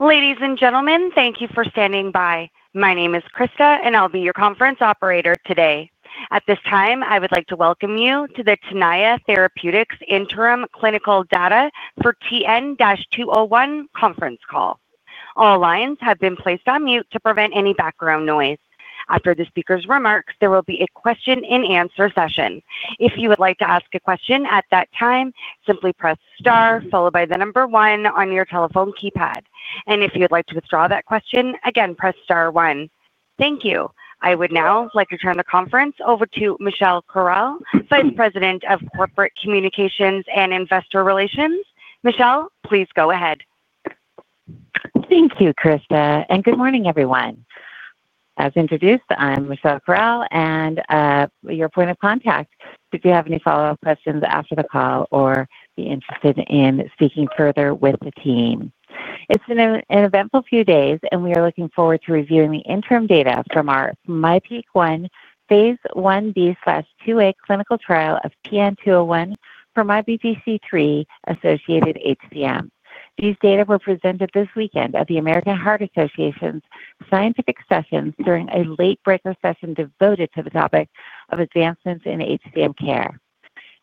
Ladies and gentlemen, thank you for standing by. My name is Krista, and I'll be your conference operator today. At this time, I would like to welcome you to the Tenaya Therapeutics Interim Clinical Data for TN-201 conference call. All lines have been placed on mute to prevent any background noise. After the speaker's remarks, there will be a question-and-answer session. If you would like to ask a question at that time, simply press star followed by the number one on your telephone keypad. If you'd like to withdraw that question, again, press star one. Thank you. I would now like to turn the conference over to Michelle Corral, Vice President of Corporate Communications and Investor Relations. Michelle, please go ahead. Thank you, Krista, and good morning, everyone. As introduced, I'm Michelle Corral, and your point of contact. If you have any follow-up questions after the call or are interested in speaking further with the team. It's been an eventful few days, and we are looking forward to reviewing the interim data from our MyPEAK-1 phase Ib/IIa clinical trial of TN-201 for MYBPC3-Associated HCM. These data were presented this weekend at the American Heart Association's scientific sessions during a late-breaker session devoted to the topic of advancements in HCM care.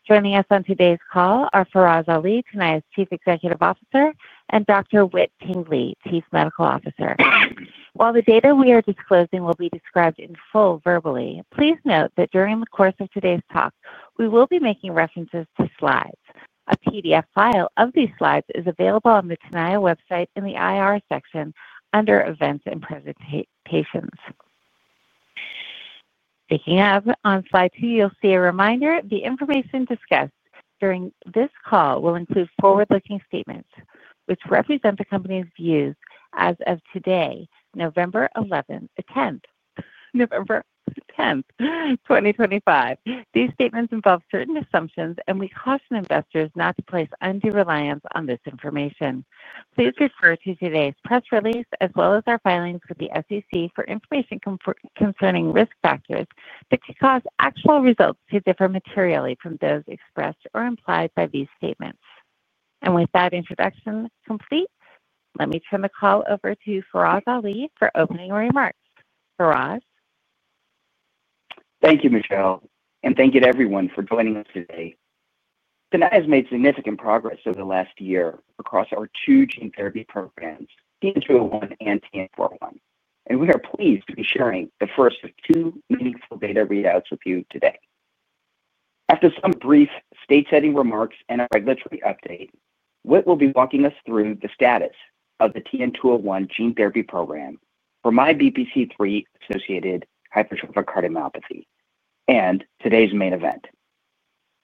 Joining us on today's call are Faraz Ali, Tenaya's Chief Executive Officer, and Dr. Whit Tingley, Chief Medical Officer. While the data we are disclosing will be described in full verbally, please note that during the course of today's talk, we will be making references to slides. A PDF file of these slides is available on the Tenaya website in the IR section under Events and Presentations. Picking up on slide two, you'll see a reminder: the information discussed during this call will include forward-looking statements which represent the company's views as of today, November 11th, November 10th, 2025. These statements involve certain assumptions, and we caution investors not to place undue reliance on this information. Please refer to today's press release as well as our filings with the SEC for information concerning risk factors that could cause actual results to differ materially from those expressed or implied by these statements. With that introduction complete, let me turn the call over to Faraz Ali for opening remarks. Faraz. Thank you, Michelle, and thank you to everyone for joining us today. Tenaya has made significant progress over the last year across our two Gene Therapy programs, TN-201 and TN-401, and we are pleased to be sharing the first of two meaningful data readouts with you today. After some brief state-setting remarks and a regulatory update, Whit will be walking us through the status of the TN-201 Gene Therapy program for MYBPC3-Associated Hypertrophic Cardiomyopathy and today's main event.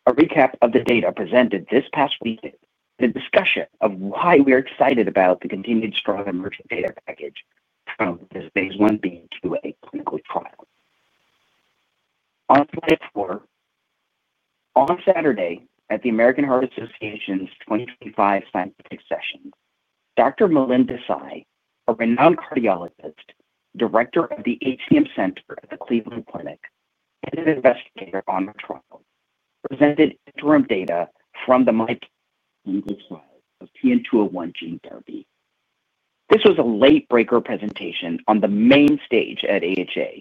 A recap of the data presented this past week and the discussion of why we are excited about the continued strong emerging data package from this phase Ib/IIa clinical trial. On slide four, on Saturday at the American Heart Association's 2025 scientific session, Dr. Milind Desai, a renowned cardiologist, Director of the HCM Center at the Cleveland Clinic, and an investigator on the trial, presented interim data from the MYBPC3-associated clinical trial of TN-201 Gene Therapy. This was a late-breaker presentation on the main stage at AHA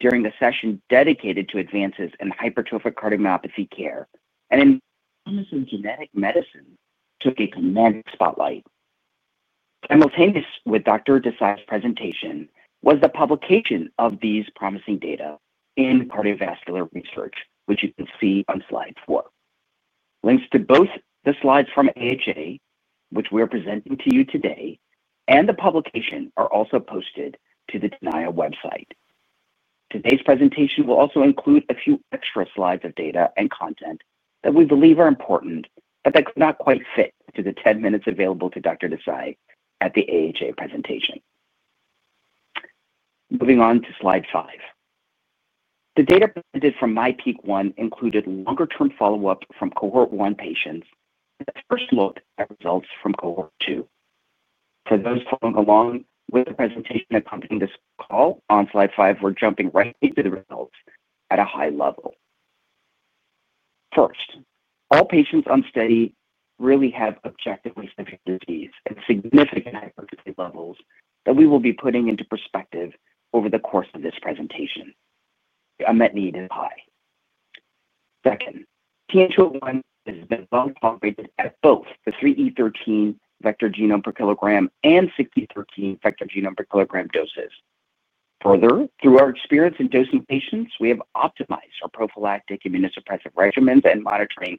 during the session dedicated to advances in Hypertrophic Cardiomyopathy care and in promising genetic medicine took a commanding spotlight. Simultaneous with Dr. Desai's presentation was the publication of these promising data in cardiovascular research, which you can see on slide four. Links to both the slides from AHA, which we are presenting to you today, and the publication are also posted to the Tenaya website. Today's presentation will also include a few extra slides of data and content that we believe are important but that could not quite fit through the 10 minutes available to Dr. Desai at the AHA presentation. Moving on to slide five. The data presented from MyPEAK-1 included longer-term follow-up from Cohort 1 patients that first looked at results from Cohort 2. For those following along with the presentation accompanying this call, on slide five, we're jumping right into the results at a high level. First, all patients on study really have objectively severe disease at significant hypertrophy levels that we will be putting into perspective over the course of this presentation. The unmet need is high. Second, TN-201 has been well calibrated at both the 3E13 vector genome per kilogram and 6E13 vector genome per kilogram doses. Further, through our experience in dosing patients, we have optimized our prophylactic immunosuppressive regimens and monitoring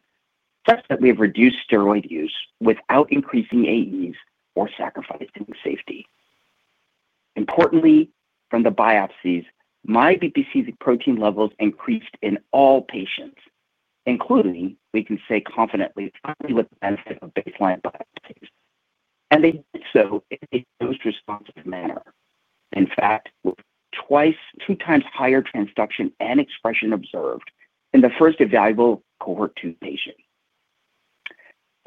such that we have reduced steroid use without increasing AEs or sacrificing safety. Importantly, from the biopsies, MYBPC3 protein levels increased in all patients, including we can say confidently with the benefit of baseline biopsies. They did so in a dose-responsive manner. In fact, with two times higher transduction and expression observed in the first evaluable Cohort 2 patient.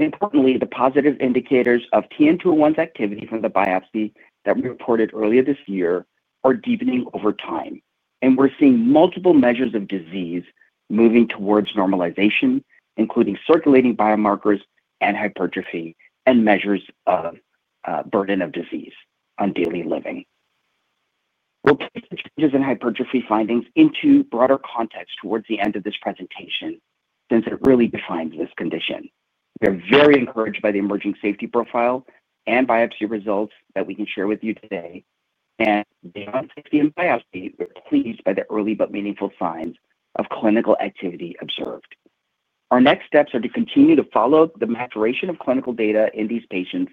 Importantly, the positive indicators of TN-201's activity from the biopsy that we reported earlier this year are deepening over time, and we're seeing multiple measures of disease moving towards normalization, including circulating biomarkers and hypertrophy and measures of burden of disease on daily living. We'll place the changes in hypertrophy findings into broader context towards the end of this presentation since it really defines this condition. We are very encouraged by the emerging safety profile and biopsy results that we can share with you today. Beyond safety and biopsy, we're pleased by the early but meaningful signs of clinical activity observed. Our next steps are to continue to follow the maturation of clinical data in these patients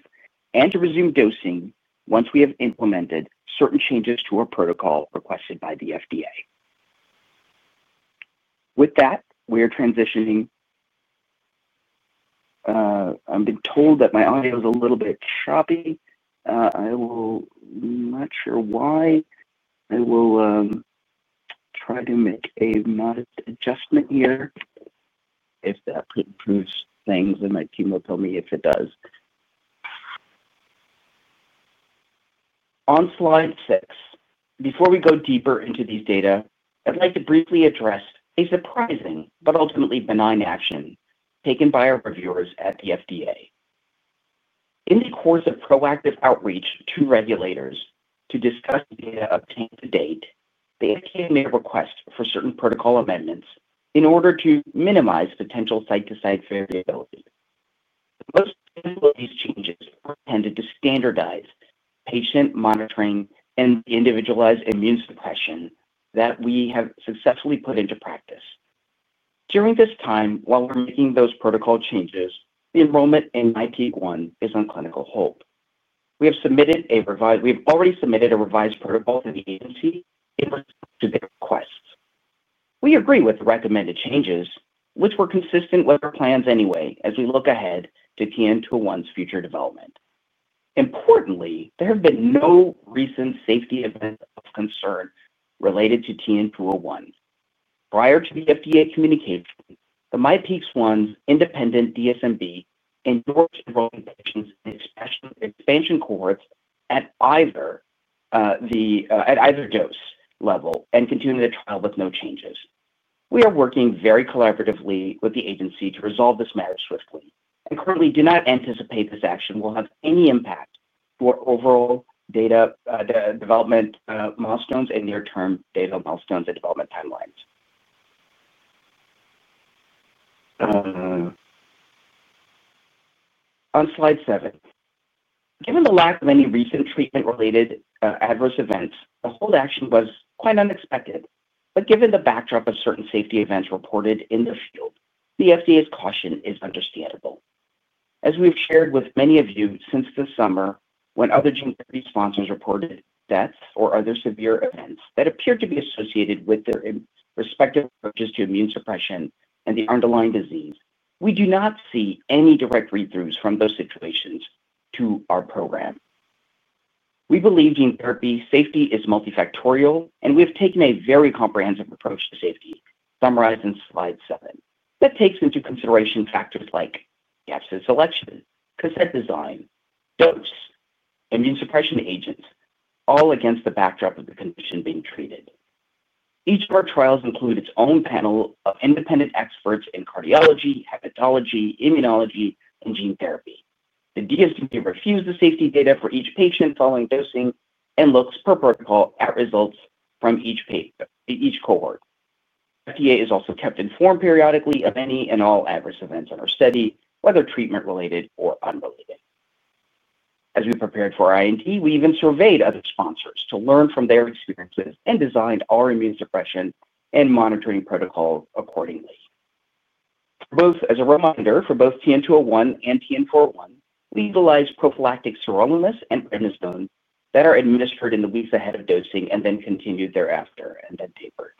and to resume dosing once we have implemented certain changes to our protocol requested by the FDA. With that, we are transitioning. I've been told that my audio is a little bit choppy. I am not sure why. I will try to make a modest adjustment here. If that improves things, then my team will tell me if it does. On slide six, before we go deeper into these data, I'd like to briefly address a surprising but ultimately benign action taken by our reviewers at the FDA. In the course of proactive outreach to regulators to discuss data obtained to date, they obtained a request for certain protocol amendments in order to minimize potential site-to-site variability. Most of these changes were intended to standardize patient monitoring and individualized immunosuppression that we have successfully put into practice. During this time, while we're making those protocol changes, the enrollment in MyPEAK-1 is on clinical hold. We have already submitted a revised protocol to the agency in response to their requests. We agree with the recommended changes, which were consistent with our plans anyway as we look ahead to TN-201's future development. Importantly, there have been no recent safety events of concern related to TN-201. Prior to the FDA communication, the MyPEAK-1's independent DSMB endorsed enrolling patients in expansion Cohorts at either dose level and continuing the trial with no changes. We are working very collaboratively with the agency to resolve this matter swiftly and currently do not anticipate this action will have any impact for overall data development milestones and near-term data milestones and development timelines. On slide seven, given the lack of any recent treatment-related adverse events, the hold action was quite unexpected. Given the backdrop of certain safety events reported in the field, the FDA's caution is understandable. As we've shared with many of you since the summer when other Gene Therapy sponsors reported deaths or other severe events that appeared to be associated with their respective approaches to immunosuppression and the underlying disease, we do not see any direct read-throughs from those situations to our program. We believe Gene Therapy safety is multifactorial, and we have taken a very comprehensive approach to safety, summarized in slide seven, that takes into consideration factors like gaps in selection, cassette design, dose, immunosuppression agents, all against the backdrop of the condition being treated. Each of our trials includes its own panel of independent experts in cardiology, hepatology, immunology, and Gene Therapy. Safety Monitoring Board reviews safety data for each patient following dosing and looks per protocol at results from each cohort. The U.S. FDA is also kept informed periodically of any and all adverse events in our study, whether treatment-related or unrelated. As we prepared for our IND, we even surveyed other sponsors to learn from their experiences and designed our immunosuppression and monitoring protocol accordingly. As a reminder, for both TN-201 and TN-401, we utilize prophylactic Sirolimus and Prednisone that are administered in the weeks ahead of dosing and then continued thereafter and then tapered.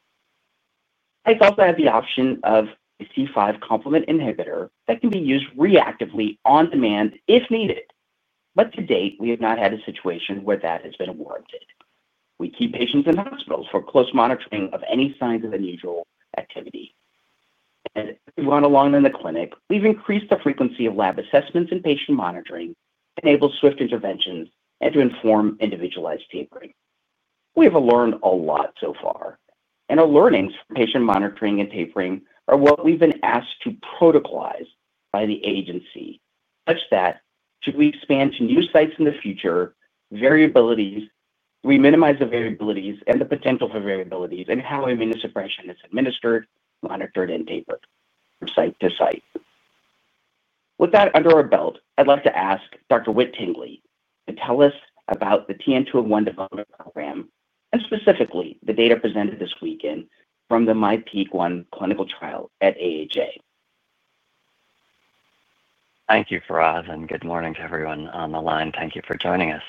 Patients also have the option of a C5 complement inhibitor that can be used reactively on demand if needed. To date, we have not had a situation where that has been warranted. We keep patients in hospitals for close monitoring of any signs of unusual activity. As we've gone along in the clinic, we've increased the frequency of lab assessments and patient monitoring to enable swift interventions and to inform individualized tapering. We have learned a lot so far, and our learnings from patient monitoring and tapering are what we've been asked to protocolize by the agency such that should we expand to new sites in the future, we minimize the variabilities and the potential for variabilities in how immunosuppression is administered, monitored, and tapered from site to site. With that under our belt, I'd like to ask Dr. Whit Tingley to tell us about the TN-201 development program and specifically the data presented this weekend from the MyPEAK-1 clinical trial at AHA. Thank you, Faraz, and good morning to everyone on the line. Thank you for joining us.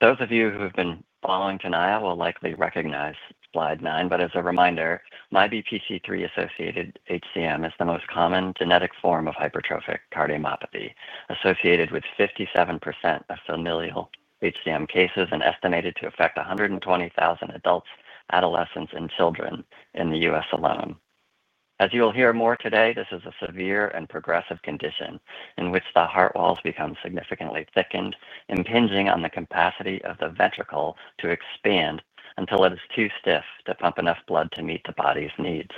Those of you who have been following Tenaya will likely recognize slide nine, but as a reminder, MYBPC3-associated HCM is the most common genetic form of Hypertrophic Cardiomyopathy associated with 57% of familial HCM cases and estimated to affect 120,000 adults, adolescents, and children in the U.S. alone. As you will hear more today, this is a severe and progressive condition in which the heart walls become significantly thickened, impinging on the capacity of the ventricle to expand until it is too stiff to pump enough blood to meet the body's needs.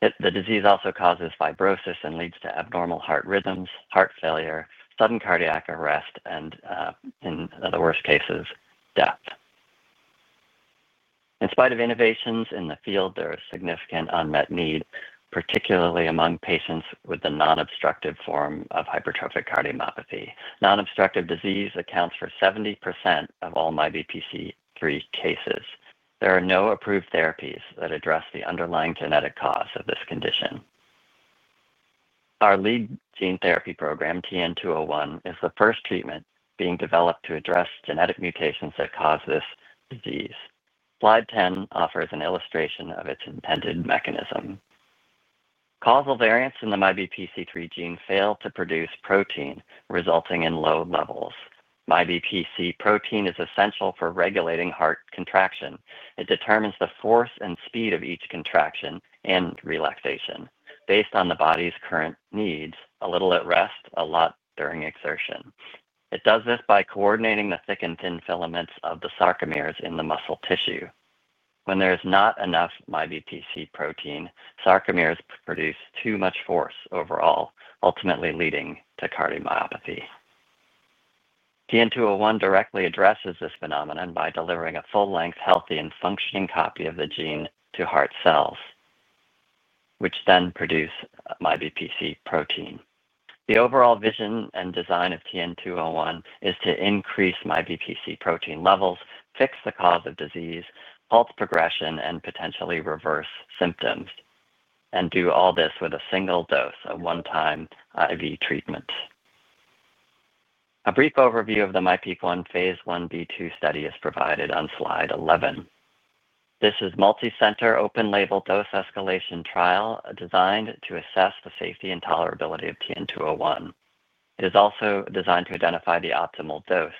The disease also causes fibrosis and leads to abnormal heart rhythms, heart failure, sudden cardiac arrest, and in the worst cases, death. In spite of innovations in the field, there is significant unmet need, particularly among patients with the non-obstructive form of Hypertrophic Cardiomyopathy. Non-obstructive disease accounts for 70% of all MYBPC3 cases. There are no approved therapies that address the underlying genetic cause of this condition. Our lead Gene Therapy program, TN-201, is the first treatment being developed to address genetic mutations that cause this disease. Slide 10 offers an illustration of its intended mechanism. Causal variants in the MYBPC3 gene fail to produce protein, resulting in low levels. MYBPC protein is essential for regulating heart contraction. It determines the force and speed of each contraction and relaxation based on the body's current needs: a little at rest, a lot during exertion. It does this by coordinating the thick and thin filaments of the sarcomeres in the muscle tissue. When there is not enough MYBPC protein, sarcomeres produce too much force overall, ultimately leading to cardiomyopathy. TN-201 directly addresses this phenomenon by delivering a full-length, healthy, and functioning copy of the gene to heart cells, which then produce MYBPC protein. The overall vision and design of TN-201 is to increase MYBPC protein levels, fix the cause of disease, halt progression, and potentially reverse symptoms, and do all this with a single dose of one-time IV treatment. A brief overview of the MyPEAK-1 phase Ib/IIa study is provided on slide 11. This is a multicenter open-label dose escalation trial designed to assess the safety and tolerability of TN-201. It is also designed to identify the optimal dose.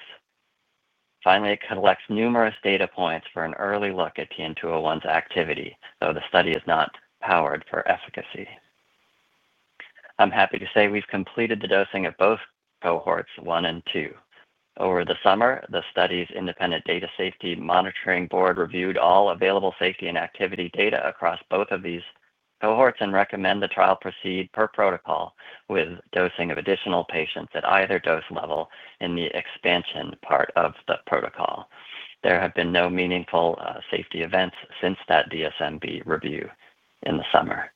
Finally, it collects numerous data points for an early look at TN-201's activity, though the study is not powered for efficacy. I'm happy to say we've completed the dosing of both cohorts, one and two. Over the summer, the study's independent Data Safety Monitoring Board reviewed all available safety and activity data across both of these Cohorts and recommended the trial proceed per protocol with dosing of additional patients at either dose level in the expansion part of the protocol. There have been no meaningful safety events since that DSMB review in the summer.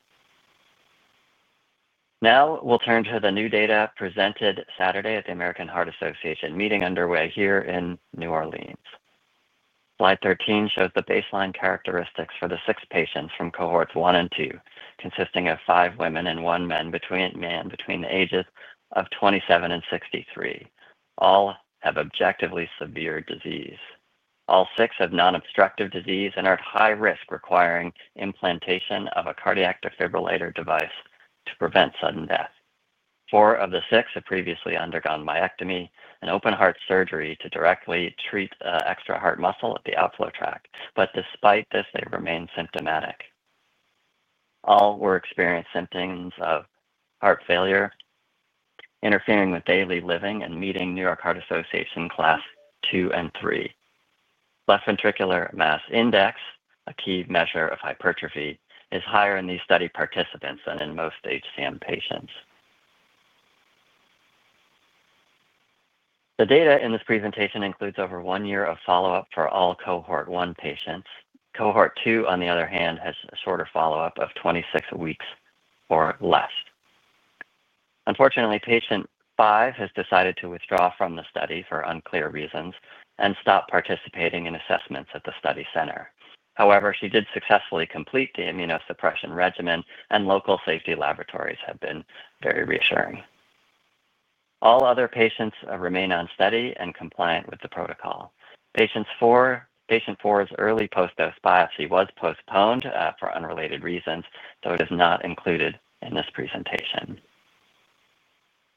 Now we'll turn to the new data presented Saturday at the American Heart Association meeting underway here in New Orleans. Slide 13 shows the baseline characteristics for the six patients from Cohorts 1 and 2, consisting of five women and one man between the ages of 27 and 63. All have objectively severe disease. All six have non-obstructive disease and are at high risk, requiring implantation of a cardiac defibrillator device to prevent sudden death. Four of the six have previously undergone myectomy and open-heart surgery to directly treat extra heart muscle at the outflow tract. Despite this, they remain symptomatic. All were experiencing symptoms of heart failure interfering with daily living and meeting New York Heart Association class two and three. Left ventricular mass index, a key measure of hypertrophy, is higher in these study participants than in most HCM patients. The data in this presentation includes over one year of follow-up for all Cohort 1 patients. Cohort 2, on the other hand, has a shorter follow-up of 26 weeks or less. Unfortunately, patient five has decided to withdraw from the study for unclear reasons and stop participating in assessments at the study center. However, she did successfully complete the immunosuppression regimen, and local safety laboratories have been very reassuring. All other patients remain on study and compliant with the protocol. Patient four's early post-dose biopsy was postponed for unrelated reasons, though it is not included in this presentation.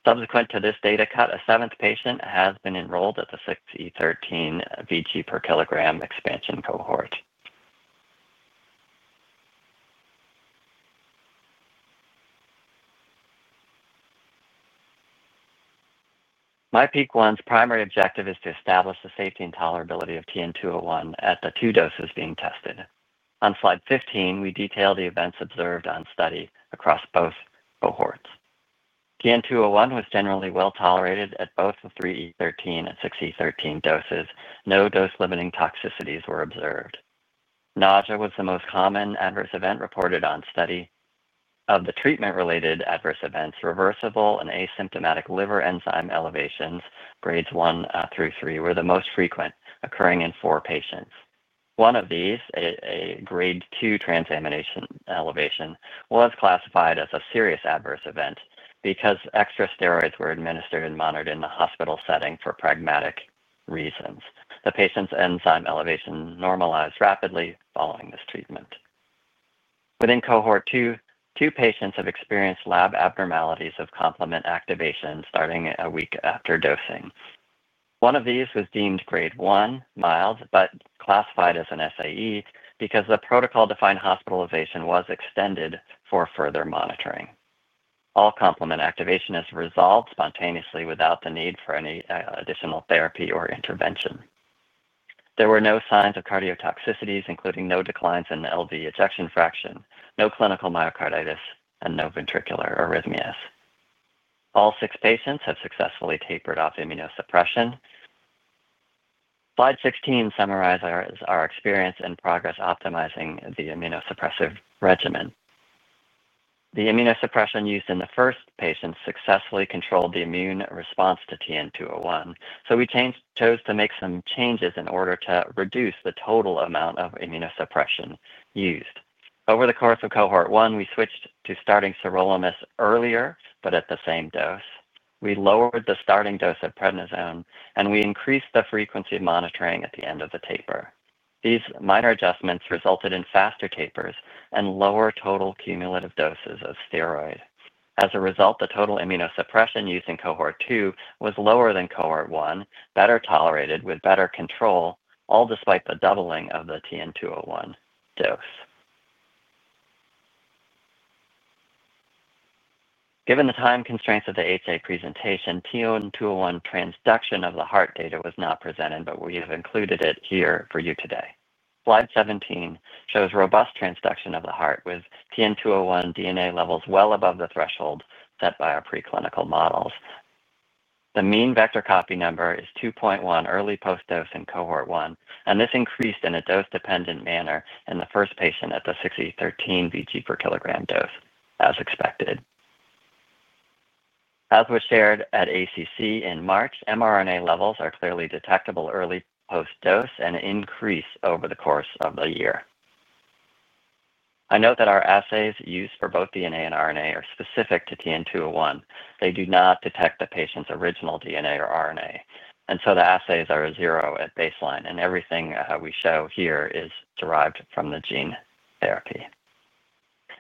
Subsequent to this data cut, a seventh patient has been enrolled at the 6E13 vg/kg expansion cohort. MyPEAK-1 primary objective is to establish the safety and tolerability of TN-201 at the two doses being tested. On slide 15, we detail the events observed on study across both Cohorts. TN-201 was generally well tolerated at both the 3E13 and 6E13 doses. No dose-limiting toxicities were observed. Nausea was the most common adverse event reported on study. Of the treatment-related adverse events, reversible and asymptomatic liver enzyme elevations, grades one through three, were the most frequent, occurring in four patients. One of these, a grade two transamination elevation, was classified as a serious adverse event because extra steroids were administered and monitored in the hospital setting for pragmatic reasons. The patient's enzyme elevation normalized rapidly following this treatment. Within Cohort 2, two patients have experienced lab abnormalities of complement activation starting a week after dosing. One of these was deemed grade one, mild, but classified as an SAE because the protocol-defined hospitalization was extended for further monitoring. All complement activation has resolved spontaneously without the need for any additional therapy or intervention. There were no signs of cardiotoxicities, including no declines in LV ejection fraction, no clinical myocarditis, and no ventricular arrhythmias. All six patients have successfully tapered off immunosuppression. Slide 16 summarizes our experience and progress optimizing the immunosuppressive regimen. The immunosuppression used in the first patient successfully controlled the immune response to TN-201, so we chose to make some changes in order to reduce the total amount of immunosuppression used. Over the course of Cohort 1, we switched to starting Sirolimus earlier, but at the same dose. We lowered the starting dose of Prednisone, and we increased the frequency of monitoring at the end of the taper. These minor adjustments resulted in faster tapers and lower total cumulative doses of steroid. As a result, the total immunosuppression used in Cohort 2 was lower than Cohort 1, better tolerated with better control, all despite the doubling of the TN-201 dose. Given the time constraints of the AHA presentation, TN-201 transduction of the heart data was not presented, but we have included it here for you today. Slide 17 shows robust transduction of the heart with TN-201 DNA levels well above the threshold set by our preclinical models. The mean vector copy number is 2.1 early post-dose in Cohort 1, and this increased in a dose-dependent manner in the first patient at the 6E13 vector genome per kilogram dose, as expected. As was shared at ACC in March, mRNA levels are clearly detectable early post-dose and increase over the course of the year. I note that our assays used for both DNA and RNA are specific to TN-201. They do not detect the patient's original DNA or RNA, and so the assays are zero at baseline, and everything we show here is derived from the Gene Therapy.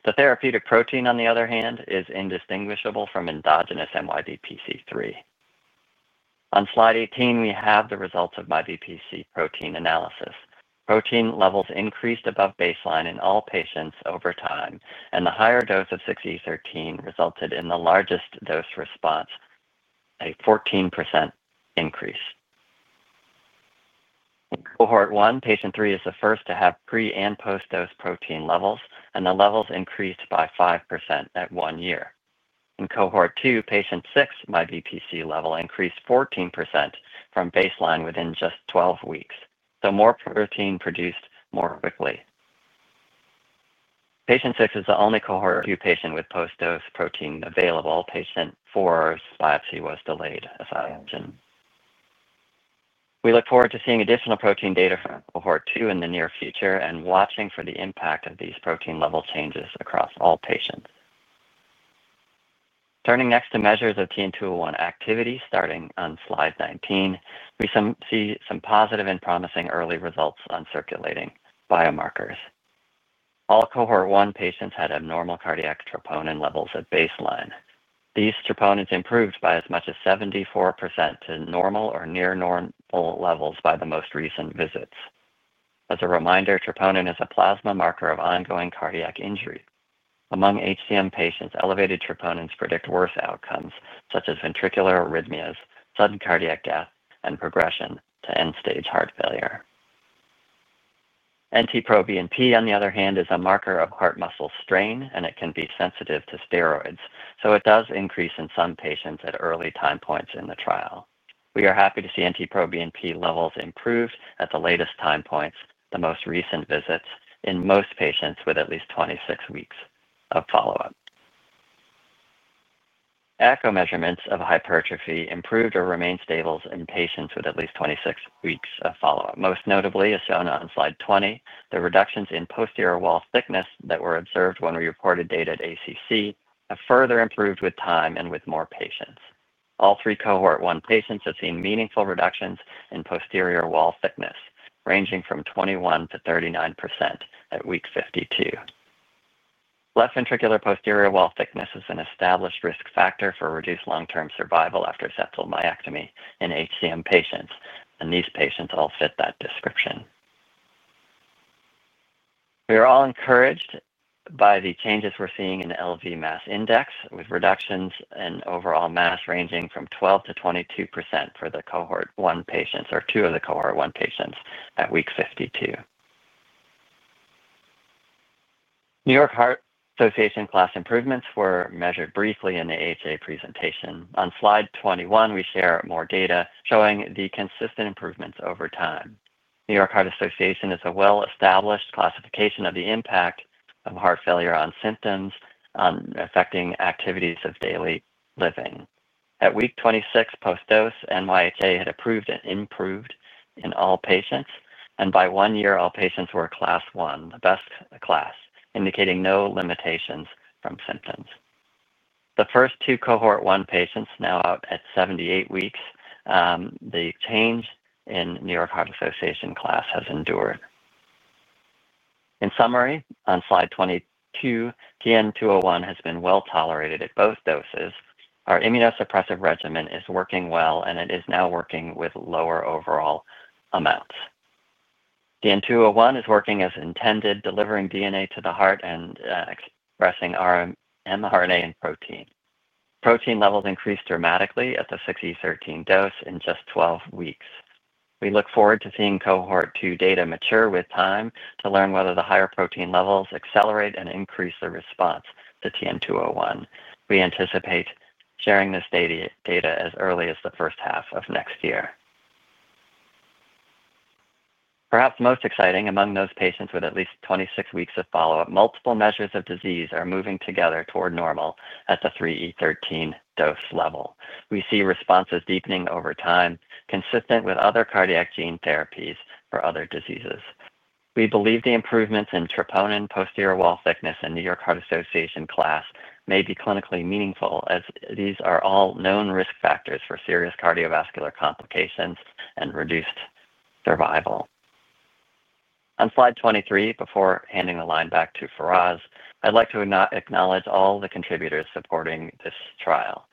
The therapeutic protein, on the other hand, is indistinguishable from endogenous MYBPC3. On slide 18, we have the results of MYBPC protein analysis. Protein levels increased above baseline in all patients over time, and the higher dose of 6E13 resulted in the largest dose response, a 14% increase. In Cohort 1, patient three is the first to have pre- and post-dose protein levels, and the levels increased by 5% at one year. In Cohort 2, patient six's MYBPC3 level increased 14% from baseline within just 12 weeks, so more protein produced more quickly. Patient six is the only Cohort 2 patient with post-dose protein available. Patient four's biopsy was delayed, as I mentioned. We look forward to seeing additional protein data from Cohort 2 in the near future and watching for the impact of these protein level changes across all patients. Turning next to measures of TN-201 activity, starting on slide 19, we see some positive and promising early results on circulating biomarkers. All Cohort 1 patients had abnormal cardiac troponin levels at baseline. These troponins improved by as much as 74% to normal or near normal levels by the most recent visits. As a reminder, troponin is a plasma marker of ongoing cardiac injury. Among HCM patients, elevated troponins predict worse outcomes, such as ventricular arrhythmias, sudden cardiac death, and progression to end-stage heart failure. NT-proBNP, on the other hand, is a marker of heart muscle strain, and it can be sensitive to steroids, so it does increase in some patients at early time points in the trial. We are happy to see NT-proBNP levels improved at the latest time points, the most recent visits, in most patients with at least 26 weeks of follow-up. Echo measurements of hypertrophy improved or remained stable in patients with at least 26 weeks of follow-up. Most notably, as shown on slide 20, the reductions in posterior wall thickness that were observed when we reported data at ACC have further improved with time and with more patients. All three Cohort 1 patients have seen meaningful reductions in posterior wall thickness, ranging from 21%-39% at week 52. Left ventricular posterior wall thickness is an established risk factor for reduced long-term survival after septal myectomy in HCM patients, and these patients all fit that description. We are all encouraged by the changes we're seeing in LV mass index, with reductions in overall mass ranging from 12%-22% for the Cohort 1 patients or 2 of the Cohort 1 patients at week 52. New York Heart Association class improvements were measured briefly in the AHA presentation. On slide 21, we share more data showing the consistent improvements over time. New York Heart Association is a well-established classification of the impact of heart failure on symptoms affecting activities of daily living. At week 26 post-dose, NYHA had approved and improved in all patients, and by one year, all patients were Class 1, the best class, indicating no limitations from symptoms. The first two Cohort 1 patients, now out at 78 weeks, the change in New York Heart Association class has endured. In summary, on slide 22, TN-201 has been well tolerated at both doses. Our immunosuppressive regimen is working well, and it is now working with lower overall amounts. TN-201 is working as intended, delivering DNA to the heart and expressing mRNA and protein. Protein levels increased dramatically at the 6E13 dose in just 12 weeks. We look forward to seeing Cohort 2 data mature with time to learn whether the higher protein levels accelerate and increase the response to TN-201. We anticipate sharing this data as early as the first half of next year. Perhaps most exciting, among those patients with at least 26 weeks of follow-up, multiple measures of disease are moving together toward normal at the 3E13 dose level. We see responses deepening over time, consistent with other cardiac gene therapies for other diseases. We believe the improvements in Troponin, posterior wall thickness, and New York Heart Association class may be clinically meaningful, as these are all known risk factors for serious cardiovascular complications and reduced survival. On slide 23, before handing the line back to Faraz, I'd like to acknowledge all the contributors supporting this trial.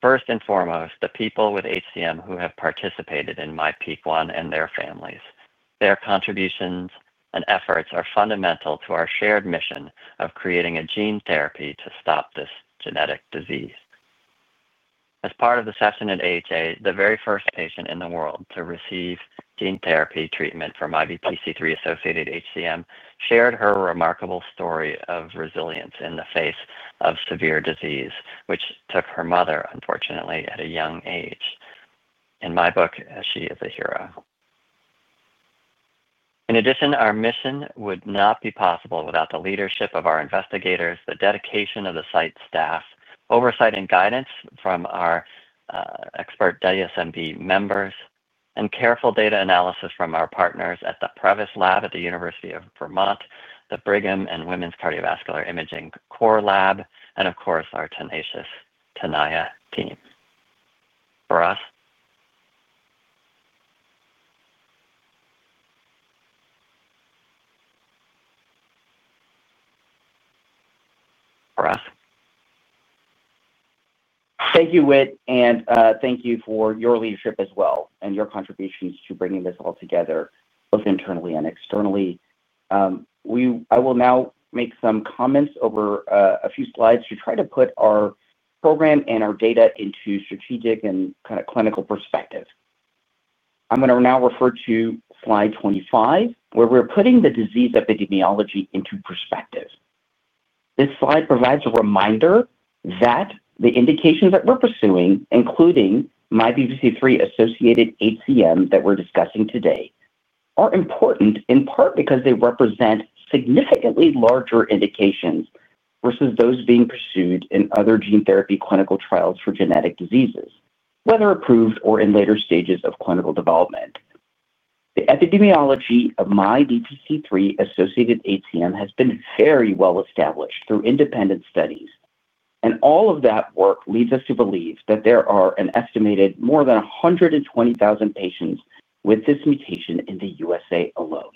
First and foremost, the people with HCM who have participated in MyPEAK-1 and their families. Their contributions and efforts are fundamental to our shared mission of creating a Gene Therapy to stop this genetic disease. As part of the session at AHA, the very first patient in the world to receive Gene Therapy treatment for MYBPC3-associated HCM shared her remarkable story of resilience in the face of severe disease, which took her mother, unfortunately, at a young age. In my book, she is a hero. In addition, our mission would not be possible without the leadership of our investigators, the dedication of the site staff, oversight and guidance from our expert DSMB members, and careful data analysis from our partners at the Prevost Lab at the University of Vermont, the Brigham and Women's Cardiovascular Imaging Core Lab, and of course, our tenacious Tenaya team. Faraz. Thank you, Whit, and thank you for your leadership as well and your contributions to bringing this all together, both internally and externally. I will now make some comments over a few slides to try to put our program and our data into strategic and kind of clinical perspective. I'm going to now refer to slide 25, where we're putting the disease epidemiology into perspective. This slide provides a reminder that the indications that we're pursuing, including MYBPC3-associated HCM that we're discussing today, are important in part because they represent significantly larger indications versus those being pursued in other Gene Therapy clinical trials for genetic diseases, whether approved or in later stages of clinical development. The epidemiology of MYBPC3-associated HCM has been very well established through independent studies, and all of that work leads us to believe that there are an estimated more than 120,000 patients with this mutation in the U.S.A. alone.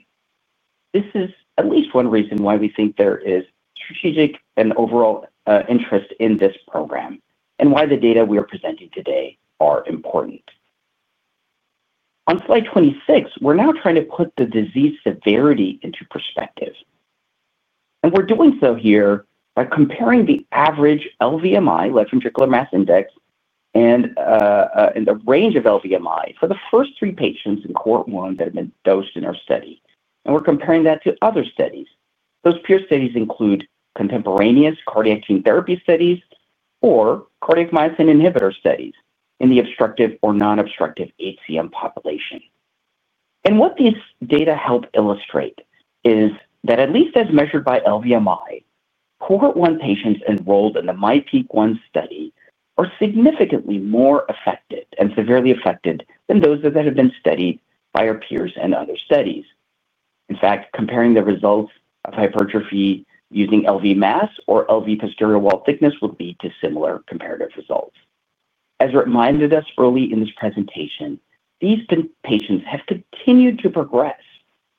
This is at least one reason why we think there is strategic and overall interest in this program and why the data we are presenting today are important. On slide 26, we're now trying to put the disease severity into perspective, and we're doing so here by comparing the average LVMI, left ventricular mass index, and the range of LVMI for the first three patients in Cohort 1 that have been dosed in our study, and we're comparing that to other studies. Those peer studies include contemporaneous cardiac Gene Therapy studies or cardiac myosin inhibitor studies in the obstructive or non-obstructive HCM population. What these data help illustrate is that, at least as measured by LVMI, Cohort 1 patients enrolled in the MyPEAK-1 study are significantly more affected and severely affected than those that have been studied by our peers and other studies. In fact, comparing the results of hypertrophy using LV mass or LV posterior wall thickness would lead to similar comparative results. As reminded us early in this presentation, these patients have continued to progress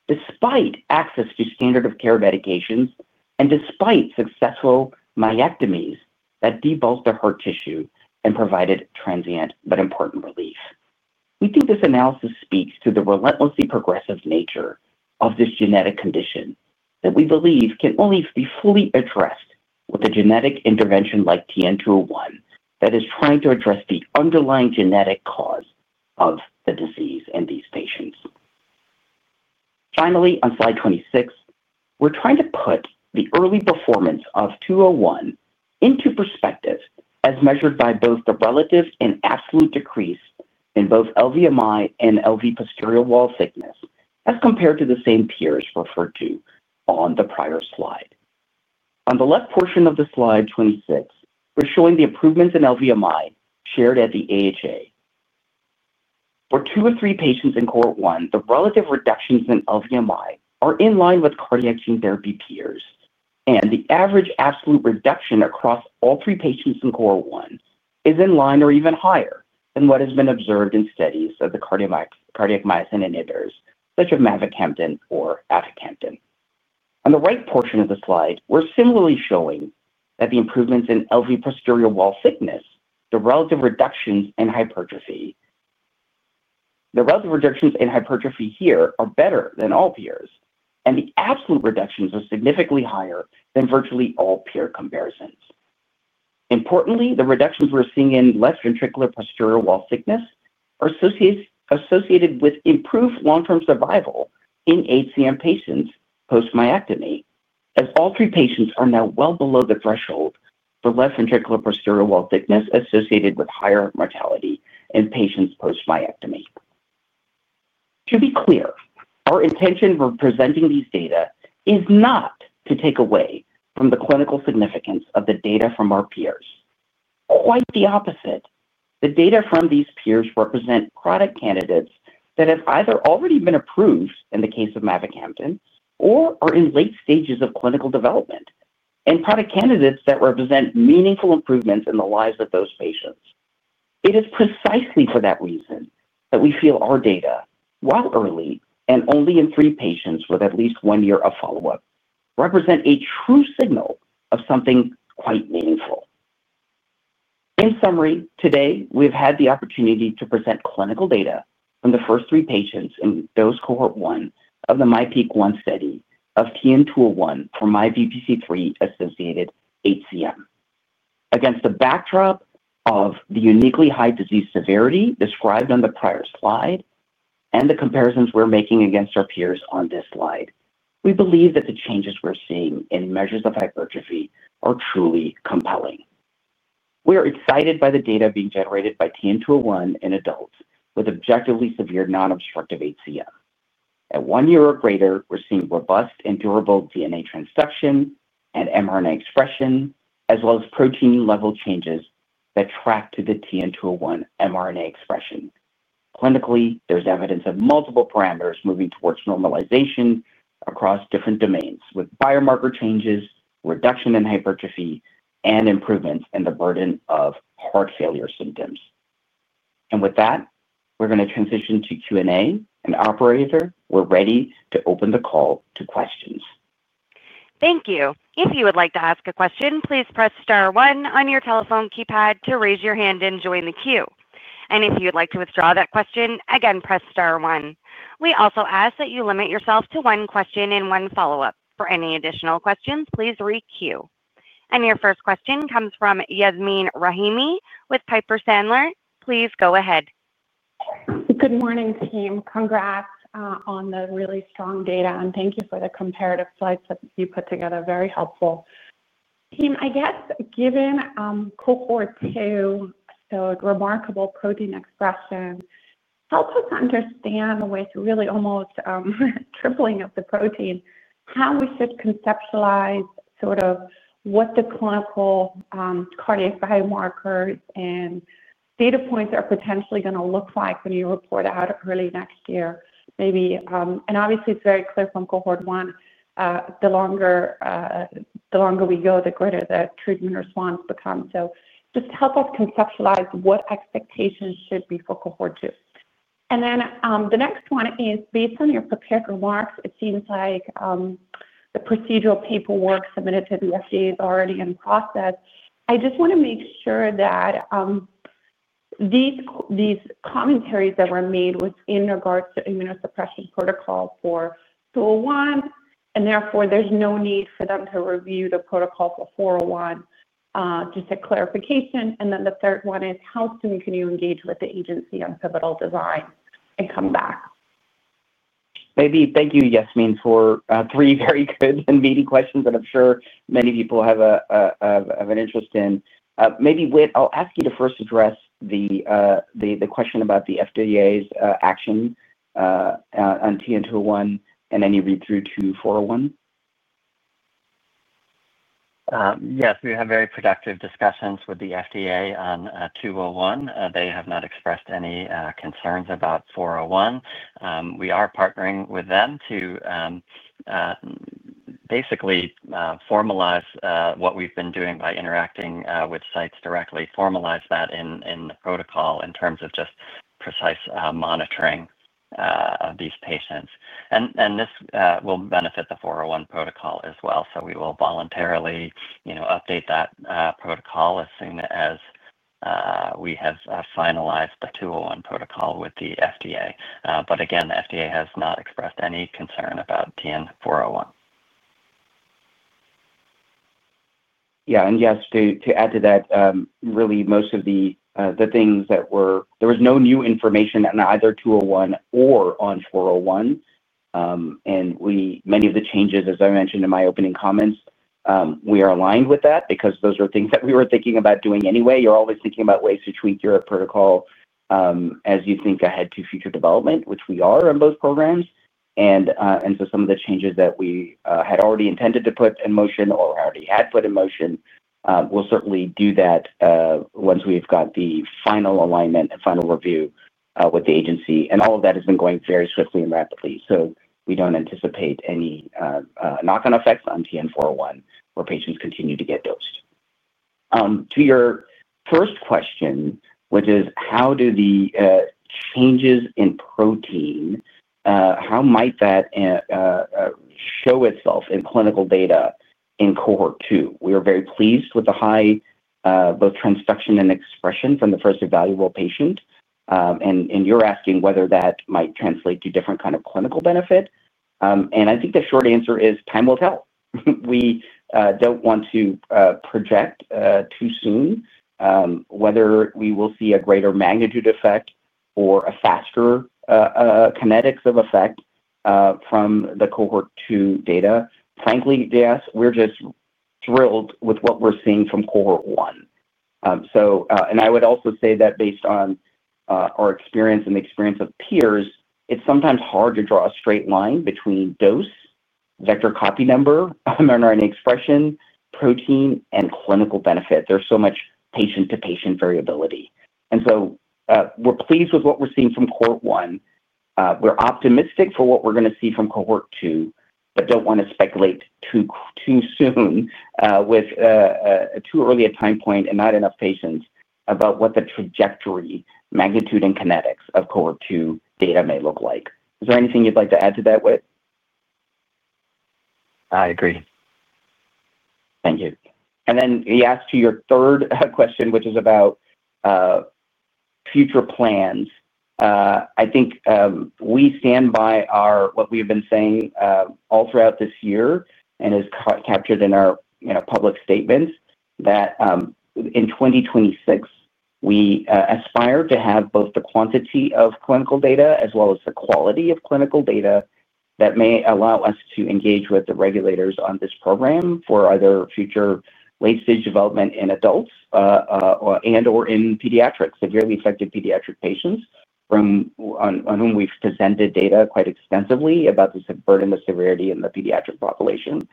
despite access to standard of care medications and despite successful myectomies that debulked their heart tissue and provided transient but important relief. We think this analysis speaks to the relentlessly progressive nature of this genetic condition that we believe can only be fully addressed with a genetic intervention like TN-201 that is trying to address the underlying genetic cause of the disease in these patients. Finally, on slide 26, we're trying to put the early performance of 201 into perspective as measured by both the relative and absolute decrease in both LVMI and LV posterior wall thickness as compared to the same peers referred to on the prior slide. On the left portion of the slide 26, we're showing the improvements in LVMI shared at the AHA. For two or three patients in Cohort 1, the relative reductions in LVMI are in line with cardiac Gene Therapy peers, and the average absolute reduction across all three patients in Cohort 1 is in line or even higher than what has been observed in studies of the cardiac myosin inhibitors such as Mavacamten or Aficamten. On the right portion of the slide, we're similarly showing that the improvements in LV posterior wall thickness, the relative reductions in hypertrophy, the relative reductions in hypertrophy here are better than all peers, and the absolute reductions are significantly higher than virtually all peer comparisons. Importantly, the reductions we're seeing in left ventricular posterior wall thickness are associated with improved long-term survival in HCM patients post-myectomy, as all three patients are now well below the threshold for left ventricular posterior wall thickness associated with higher mortality in patients post-myectomy. To be clear, our intention for presenting these data is not to take away from the clinical significance of the data from our peers. Quite the opposite. The data from these peers represent product candidates that have either already been approved in the case of Mavacamten or are in late stages of clinical development and product candidates that represent meaningful improvements in the lives of those patients. It is precisely for that reason that we feel our data, while early and only in three patients with at least one year of follow-up, represent a true signal of something quite meaningful. In summary, today, we have had the opportunity to present clinical data from the first three patients in dose Cohort 1 of the MyPEAK-1 study of TN-201 for MYBPC3-associated HCM. Against the backdrop of the uniquely high disease severity described on the prior slide and the comparisons we're making against our peers on this slide, we believe that the changes we're seeing in measures of hypertrophy are truly compelling. We are excited by the data being generated by TN-201 in adults with objectively severe non-obstructive HCM. At one year or greater, we're seeing robust and durable DNA transduction and mRNA expression, as well as protein level changes that track to the TN-201 mRNA expression. Clinically, there's evidence of multiple parameters moving towards normalization across different domains with biomarker changes, reduction in hypertrophy, and improvements in the burden of heart failure symptoms. With that, we're going to transition to Q&A. Operator, we're ready to open the call to questions. Thank you. If you would like to ask a question, please press star one on your telephone keypad to raise your hand and join the queue. If you'd like to withdraw that question, again, press star one. We also ask that you limit yourself to one question and one follow-up. For any additional questions, please re-queue. Your first question comes from Yasmeen Rahimi with Piper Sandler. Please go ahead. Good morning, team. Congrats on the really strong data, and thank you for the comparative slides that you put together. Very helpful. Team, I guess given Cohort 2, so remarkable protein expression, help us understand the way to really almost tripling of the protein, how we should conceptualize sort of what the clinical cardiac biomarkers and data points are potentially going to look like when you report out early next year. Maybe, and obviously, it's very clear from Cohort 1, the longer we go, the greater the treatment response becomes. Just help us conceptualize what expectations should be for Cohort 2. The next one is, based on your prepared remarks, it seems like the procedural paperwork submitted to the FDA is already in process. I just want to make sure that these commentaries that were made with regards to immunosuppression protocol for 201, and therefore there's no need for them to review the protocol for 401, just a clarification. The third one is, how soon can you engage with the agency on pivotal design and come back? Maybe, thank you, Yasmeen, for three very good and meaty questions that I'm sure many people have an interest in. Maybe, Whit, I'll ask you to first address the question about the FDA's action on TN-201 and then you read through to 401. Yes, we've had very productive discussions with the FDA on 201. They have not expressed any concerns about 401. We are partnering with them to basically formalize what we've been doing by interacting with sites directly, formalize that in the protocol in terms of just precise monitoring of these patients. This will benefit the 401 protocol as well. We will voluntarily update that protocol as soon as we have finalized the 201 protocol with the FDA. Again, the FDA has not expressed any concern about TN-401. Yeah, and yes, to add to that, really most of the things that were there was no new information on either 201 or on 401. Many of the changes, as I mentioned in my opening comments, we are aligned with that because those are things that we were thinking about doing anyway. You're always thinking about ways to tweak your protocol as you think ahead to future development, which we are on both programs. Some of the changes that we had already intended to put in motion or already had put in motion will certainly do that once we've got the final alignment and final review with the agency. All of that has been going very swiftly and rapidly. We do not anticipate any knock-on effects on TN-401 where patients continue to get dosed. To your first question, which is how do the changes in protein, how might that show itself in clinical data in Cohort 2? We are very pleased with the high both transduction and expression from the first evaluable patient. You are asking whether that might translate to different kind of clinical benefit. I think the short answer is time will tell. We do not want to project too soon whether we will see a greater magnitude effect or a faster kinetics of effect from the Cohort 2 data. Frankly, yes, we are just thrilled with what we are seeing from Cohort 1. I would also say that based on our experience and the experience of peers, it is sometimes hard to draw a straight line between dose, vector copy number, mRNA expression, protein, and clinical benefit. There is so much patient-to-patient variability. We are pleased with what we are seeing from Cohort 1. We're optimistic for what we're going to see from Cohort 2, but don't want to speculate too soon with too early a time point and not enough patients about what the trajectory, magnitude, and kinetics of Cohort 2 data may look like. Is there anything you'd like to add to that, Whit? I agree. Thank you. We asked you your third question, which is about future plans. I think we stand by what we have been saying all throughout this year and is captured in our public statements that in 2026, we aspire to have both the quantity of clinical data as well as the quality of clinical data that may allow us to engage with the regulators on this program for either future late-stage development in adults and/or in pediatrics, severely affected pediatric patients on whom we've presented data quite extensively about the burden of severity in the pediatric population.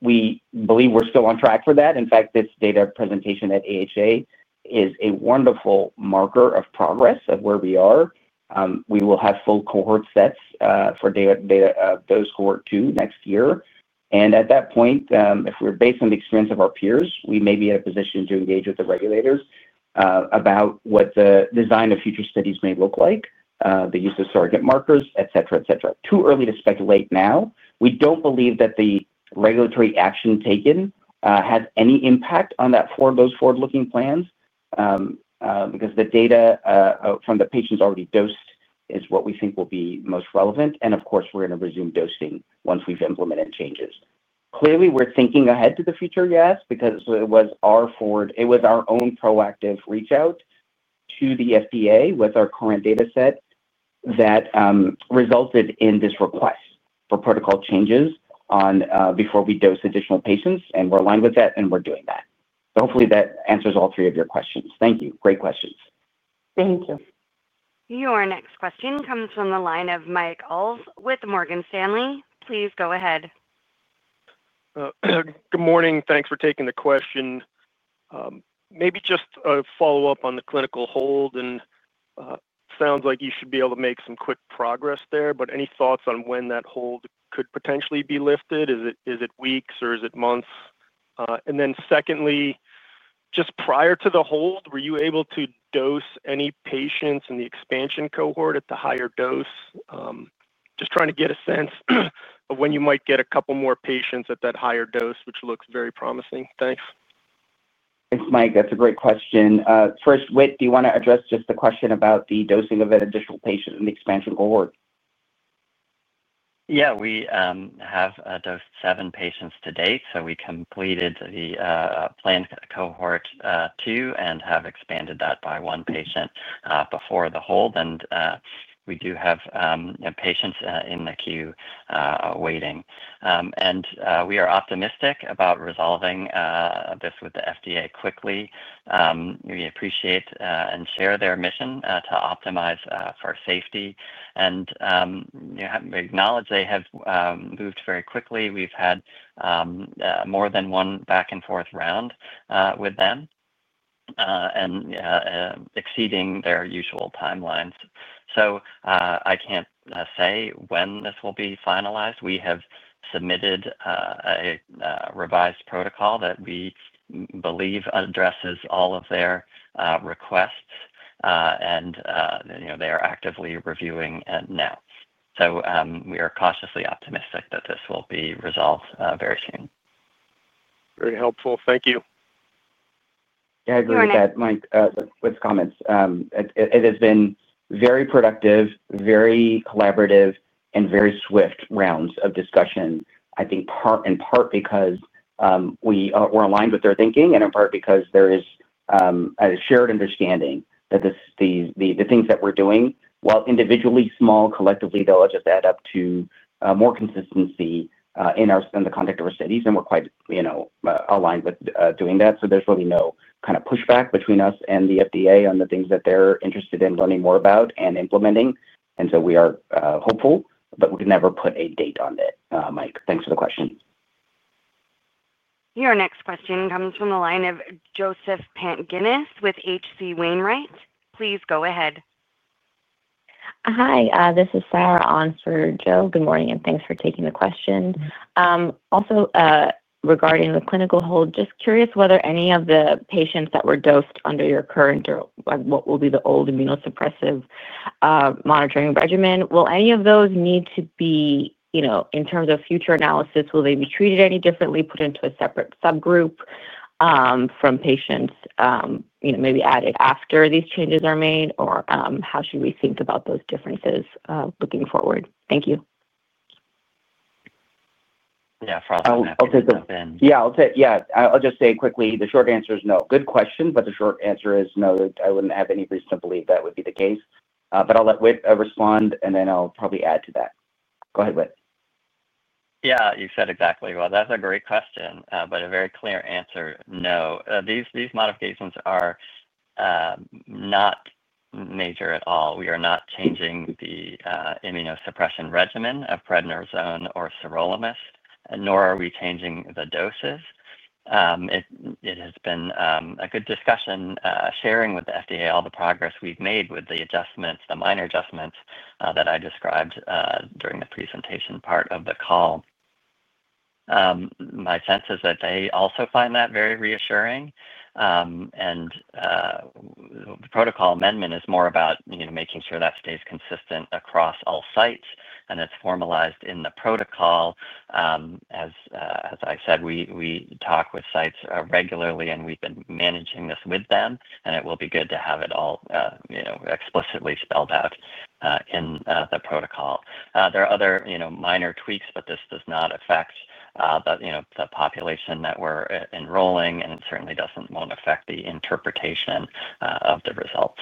We believe we're still on track for that. In fact, this data presentation at AHA is a wonderful marker of progress of where we are. We will have full Cohort sets for data of dose Cohort 2 next year. At that point, if we're based on the experience of our peers, we may be in a position to engage with the regulators about what the design of future studies may look like, the use of surrogate markers, etc., etc. Too early to speculate now. We don't believe that the regulatory action taken has any impact on those forward-looking plans because the data from the patients already dosed is what we think will be most relevant. Of course, we're going to resume dosing once we've implemented changes. Clearly, we're thinking ahead to the future, yes, because it was our own proactive reach out to the FDA with our current data set that resulted in this request for protocol changes before we dose additional patients. We're aligned with that, and we're doing that. Hopefully, that answers all three of your questions. Thank you. Great questions. Thank you. Your next question comes from the line of Mike Ulz with Morgan Stanley. Please go ahead. Good morning. Thanks for taking the question. Maybe just a follow-up on the clinical hold. It sounds like you should be able to make some quick progress there. Any thoughts on when that hold could potentially be lifted? Is it weeks or is it months? Secondly, just prior to the hold, were you able to dose any patients in the expansion cohort at the higher dose? Just trying to get a sense of when you might get a couple more patients at that higher dose, which looks very promising. Thanks. Thanks, Mike. That's a great question. First, Whit, do you want to address just the question about the dosing of an additional patient in the expansion cohort? Yeah, we have dosed seven patients to date. We completed the planned Cohort 2 and have expanded that by one patient before the hold. We do have patients in the queue waiting. We are optimistic about resolving this with the FDA quickly. We appreciate and share their mission to optimize for safety and acknowledge they have moved very quickly. We've had more than one back-and-forth round with them and exceeding their usual timelines. I can't say when this will be finalized. We have submitted a revised protocol that we believe addresses all of their requests. They are actively reviewing now. We are cautiously optimistic that this will be resolved very soon. Very helpful. Thank you. Yeah, I agree with that, Mike, with the comments. It has been very productive, very collaborative, and very swift rounds of discussion, I think, in part because we're aligned with their thinking and in part because there is a shared understanding that the things that we're doing, while individually small, collectively, they'll just add up to more consistency in the conduct of our studies. We are quite aligned with doing that. There is really no kind of pushback between us and the FDA on the things that they're interested in learning more about and implementing. We are hopeful, but we can never put a date on it, Mike. Thanks for the question. Your next question comes from the line of Joseph Pantginis with H.C. Wainwright. Please go ahead. Hi, this is Sarah Onsford, Joe. Good morning, and thanks for taking the question. Also, regarding the clinical hold, just curious whether any of the patients that were dosed under your current or what will be the old immunosuppressive monitoring regimen, will any of those need to be, in terms of future analysis, will they be treated any differently, put into a separate subgroup from patients maybe added after these changes are made, or how should we think about those differences looking forward? Thank you. Yeah, I'll take that. Yeah, I'll just say quickly, the short answer is no. Good question, but the short answer is no. I wouldn't have any reason to believe that would be the case. I'll let Whit respond, and then I'll probably add to that. Go ahead, Whit. Yeah, you said exactly. That is a great question, but a very clear answer, no. These modifications are not major at all. We are not changing the immunosuppression regimen of Prednisone or Sirolimus, nor are we changing the doses. It has been a good discussion sharing with the FDA all the progress we've made with the adjustments, the minor adjustments that I described during the presentation part of the call. My sense is that they also find that very reassuring. The protocol amendment is more about making sure that stays consistent across all sites, and it's formalized in the protocol. As I said, we talk with sites regularly, and we've been managing this with them. It will be good to have it all explicitly spelled out in the protocol. There are other minor tweaks, but this does not affect the population that we're enrolling, and it certainly doesn't affect the interpretation of the results.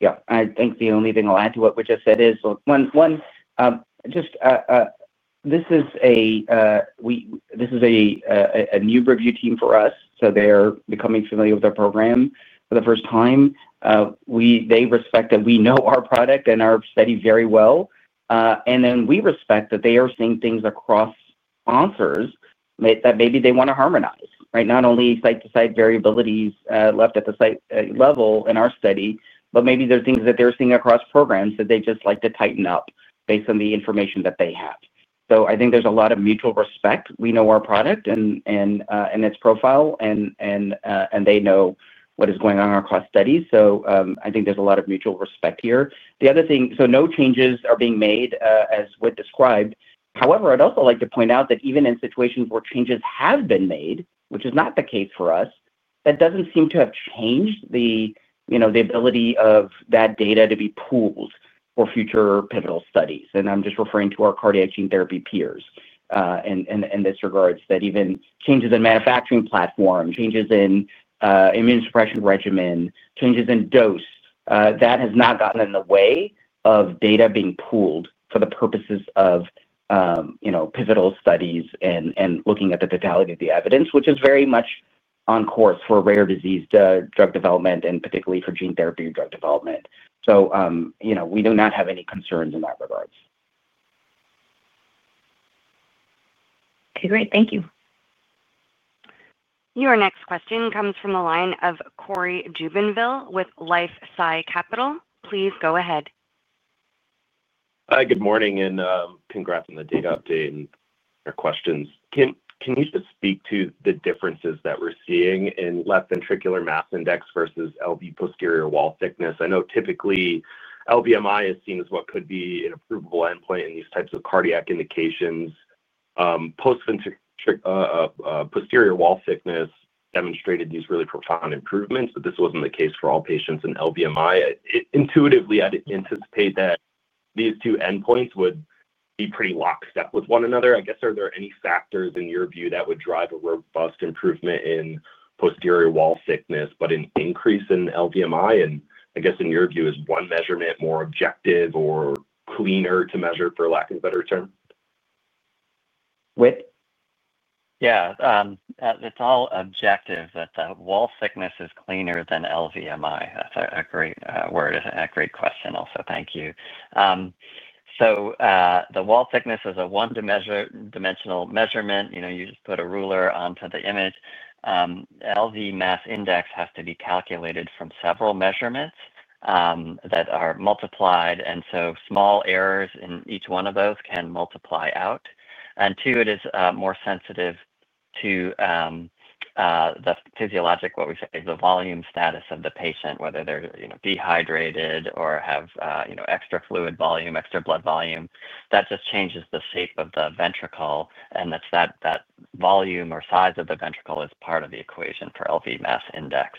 Yeah, I think the only thing I'll add to what Whit just said is one, just this is a new review team for us. They are becoming familiar with our program for the first time. They respect that we know our product and our study very well. We respect that they are seeing things across sponsors that maybe they want to harmonize, right? Not only site-to-site variabilities left at the site level in our study, but maybe there are things that they're seeing across programs that they'd just like to tighten up based on the information that they have. I think there's a lot of mutual respect. We know our product and its profile, and they know what is going on across studies. I think there's a lot of mutual respect here. The other thing, so no changes are being made, as Whit described. However, I'd also like to point out that even in situations where changes have been made, which is not the case for us, that does not seem to have changed the ability of that data to be pooled for future pivotal studies. I am just referring to our cardiac Gene Therapy peers in this regard that even changes in manufacturing platforms, changes in immunosuppression regimen, changes in dose, that has not gotten in the way of data being pooled for the purposes of pivotal studies and looking at the totality of the evidence, which is very much on course for rare disease drug development and particularly for Gene Therapy drug development. We do not have any concerns in that regard. Okay, great. Thank you. Your next question comes from the line of Cory Jubinville with LifeSci Capital. Please go ahead. Hi, good morning, and congrats on the data update and your questions. Can you just speak to the differences that we're seeing in left ventricular mass index versus LV posterior wall thickness? I know typically LVMI is seen as what could be an approvable endpoint in these types of cardiac indications. Posterior wall thickness demonstrated these really profound improvements, but this was not the case for all patients in LVMI. Intuitively, I'd anticipate that these two endpoints would be pretty locked up with one another. I guess, are there any factors in your view that would drive a robust improvement in posterior wall thickness, but an increase in LVMI? I guess in your view, is one measurement more objective or cleaner to measure, for lack of a better term? Whit? Yeah, it's all objective. The wall thickness is cleaner than LVMI. That's a great word. A great question also. Thank you. The wall thickness is a one-dimensional measurement. You just put a ruler onto the image. LV mass index has to be calculated from several measurements that are multiplied. Small errors in each one of those can multiply out. It is more sensitive to the physiologic, what we say, the volume status of the patient, whether they're dehydrated or have extra fluid volume, extra blood volume. That just changes the shape of the ventricle. That volume or size of the ventricle is part of the equation for LV mass index.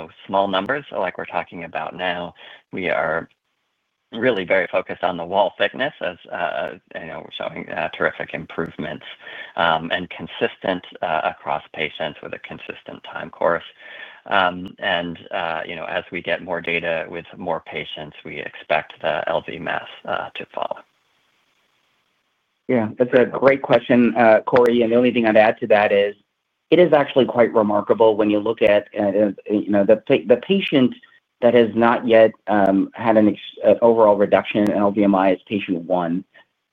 With small numbers like we're talking about now, we are really very focused on the wall thickness, as we're showing terrific improvements and consistent across patients with a consistent time course. As we get more data with more patients, we expect the LV mass to follow. Yeah, that's a great question, Cory. The only thing I'd add to that is it is actually quite remarkable when you look at the patient that has not yet had an overall reduction in LVMI is patient one.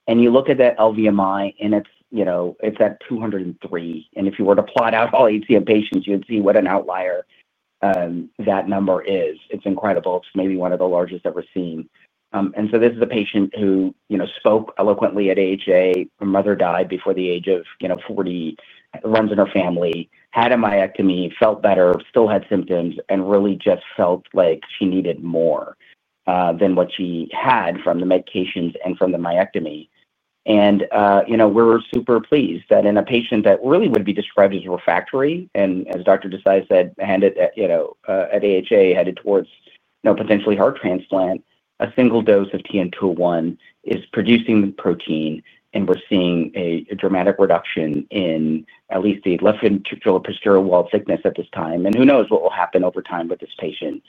You look at that LVMI, and it's at 203. If you were to plot out all HCM patients, you'd see what an outlier that number is. It's incredible. It's maybe one of the largest ever seen. This is a patient who spoke eloquently at AHA. Her mother died before the age of 40, runs in her family, had a myectomy, felt better, still had symptoms, and really just felt like she needed more than what she had from the medications and from the myectomy. We're super pleased that in a patient that really would be described as refractory, and as Dr. Desai said, handed at AHA, headed towards potentially heart transplant, a single dose of TN-201 is producing the protein, and we're seeing a dramatic reduction in at least the left ventricular posterior wall thickness at this time. Who knows what will happen over time with this patient?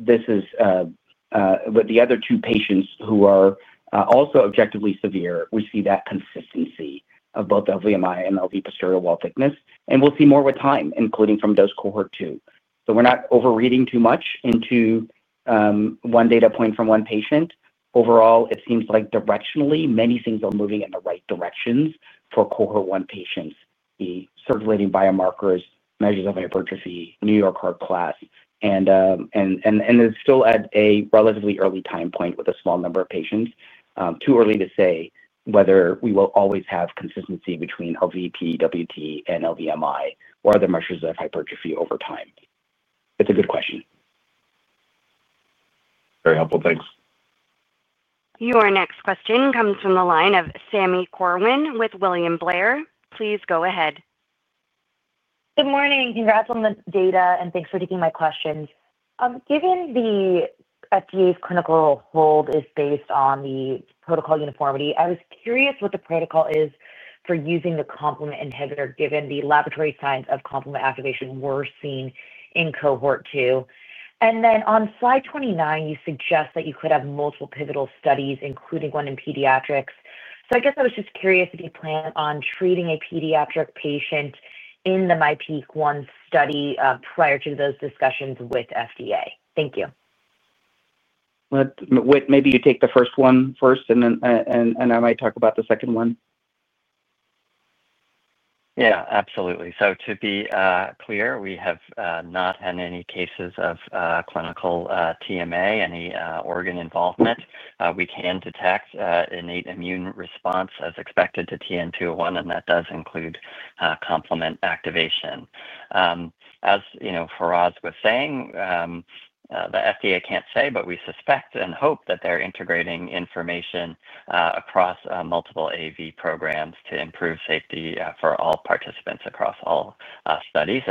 This is with the other two patients who are also objectively severe, we see that consistency of both LVMI and LV posterior wall thickness. We will see more with time, including from dose Cohort 2. We're not overreading too much into one data point from one patient. Overall, it seems like directionally, many things are moving in the right directions for Cohort 1 patients, the circulating biomarkers, measures of hypertrophy, New York Heart Association Class. It's still at a relatively early time point with a small number of patients. Too early to say whether we will always have consistency between LVP, WT, and LVMI, or other measures of hypertrophy over time. It's a good question. Very helpful. Thanks. Your next question comes from the line of Sami Corwin with William Blair. Please go ahead. Good morning. Congrats on the data, and thanks for taking my questions. Given the FDA's clinical hold is based on the protocol uniformity, I was curious what the protocol is for using the complement inhibitor given the laboratory signs of complement activation we're seeing in Cohort 2. On slide 29, you suggest that you could have multiple pivotal studies, including one in pediatrics. I was just curious if you plan on treating a pediatric patient in the MyPEAK-1 study prior to those discussions with FDA. Thank you. Whit, maybe you take the first one first, and I might talk about the second one. Yeah, absolutely. To be clear, we have not had any cases of clinical TMA, any organ involvement. We can detect innate immune response as expected to TN-201, and that does include complement activation. As Faraz was saying, the FDA can't say, but we suspect and hope that they're integrating information across multiple AV programs to improve safety for all participants across all studies.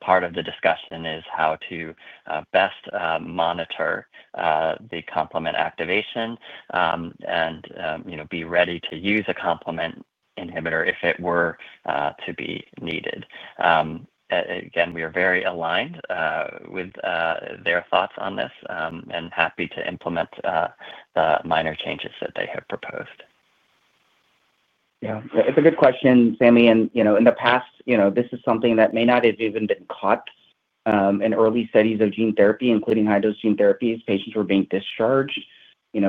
Part of the discussion is how to best monitor the complement activation and be ready to use a complement inhibitor if it were to be needed. Again, we are very aligned with their thoughts on this and happy to implement the minor changes that they have proposed. Yeah, it's a good question, Sami. In the past, this is something that may not have even been caught in early studies of Gene Therapy, including high-dose Gene Therapies. Patients were being discharged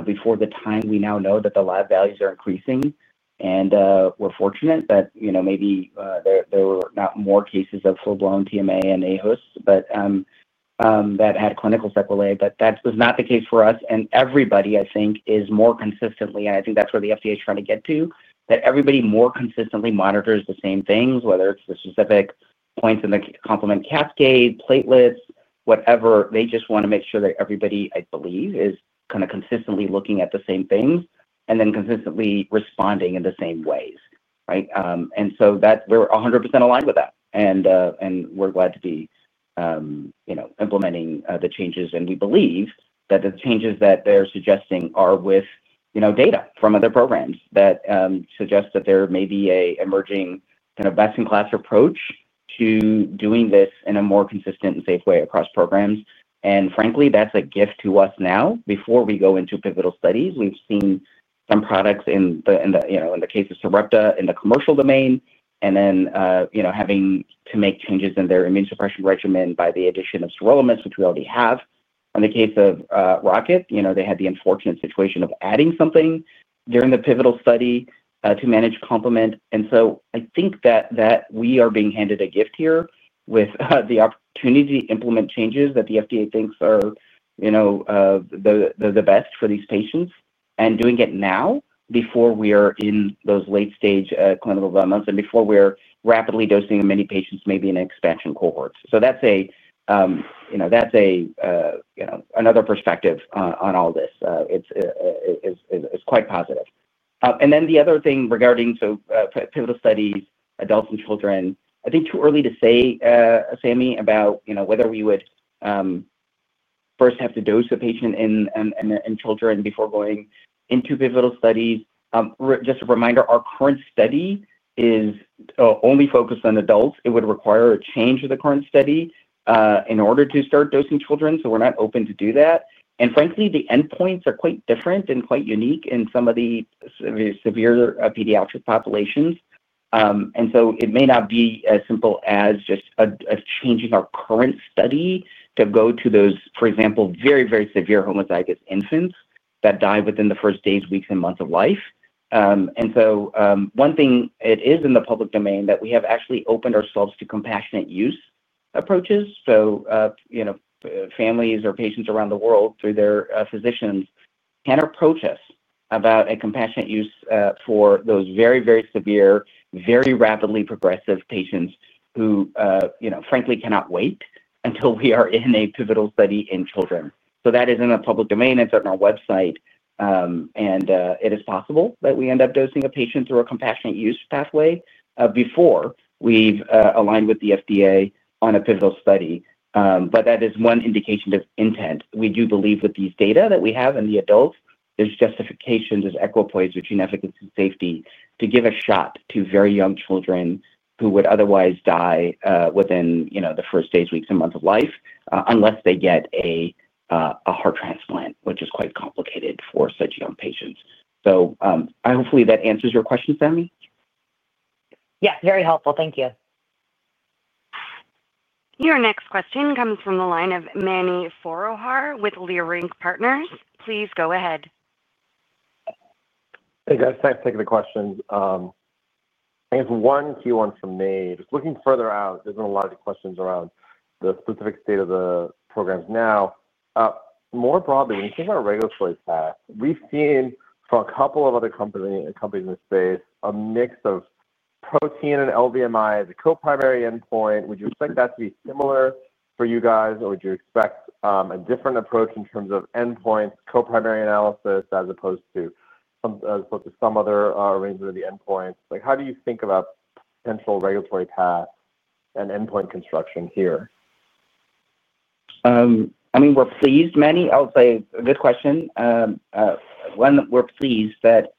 before the time we now know that the lab values are increasing. We are fortunate that maybe there were not more cases of full-blown TMA and aHUS that had clinical sequelae, but that was not the case for us. Everybody, I think, is more consistently—I think that is where the FDA is trying to get to—that everybody more consistently monitors the same things, whether it is the specific points in the complement cascade, platelets, whatever. They just want to make sure that everybody, I believe, is kind of consistently looking at the same things and then consistently responding in the same ways, right? We are 100% aligned with that. We are glad to be implementing the changes. We believe that the changes that they're suggesting are with data from other programs that suggest that there may be an emerging kind of best-in-class approach to doing this in a more consistent and safe way across programs. Frankly, that's a gift to us now. Before we go into pivotal studies, we've seen some products in the case of Sarepta in the commercial domain, and then having to make changes in their immunosuppression regimen by the addition of Sirolimus, which we already have. In the case of Rocket, they had the unfortunate situation of adding something during the pivotal study to manage complement. I think that we are being handed a gift here with the opportunity to implement changes that the FDA thinks are the best for these patients and doing it now before we are in those late-stage clinical developments and before we are rapidly dosing in many patients, maybe in expansion cohorts. That is another perspective on all this. It is quite positive. The other thing regarding pivotal studies, adults and children, I think it is too early to say, Sami about whether we would first have to dose a patient in children before going into pivotal studies. Just a reminder, our current study is only focused on adults. It would require a change of the current study in order to start dosing children. We are not open to do that. Frankly, the endpoints are quite different and quite unique in some of the severe pediatric populations. It may not be as simple as just changing our current study to go to those, for example, very, very severe homozygous infants that die within the first days, weeks, and months of life. One thing, it is in the public domain that we have actually opened ourselves to compassionate use approaches. Families or patients around the world, through their physicians, can approach us about a compassionate use for those very, very severe, very rapidly progressive patients who, frankly, cannot wait until we are in a pivotal study in children. That is in the public domain. It is on our website. It is possible that we end up dosing a patient through a compassionate use pathway before we have aligned with the FDA on a pivotal study. That is one indication of intent. We do believe with these data that we have in the adults, there's justification, there's equipoise between efficacy and safety to give a shot to very young children who would otherwise die within the first days, weeks, and months of life unless they get a heart transplant, which is quite complicated for such young patients. Hopefully that answers your question, Sami. Yeah, very helpful. Thank you. Your next question comes from the line of Mani Foroohar with Leerink Partners. Please go ahead. Hey, guys, thanks for taking the questions. I guess one key one for me, just looking further out, there's been a lot of questions around the specific state of the programs now. More broadly, when you think about a regular choice path, we've seen from a couple of other companies in the space a mix of protein and LVMI as a co-primary endpoint. Would you expect that to be similar for you guys, or would you expect a different approach in terms of endpoints, co-primary analysis as opposed to some other arrangement of the endpoints? How do you think about potential regulatory path and endpoint construction here? I mean, we're pleased, Mani. I'll say a good question. One, we're pleased that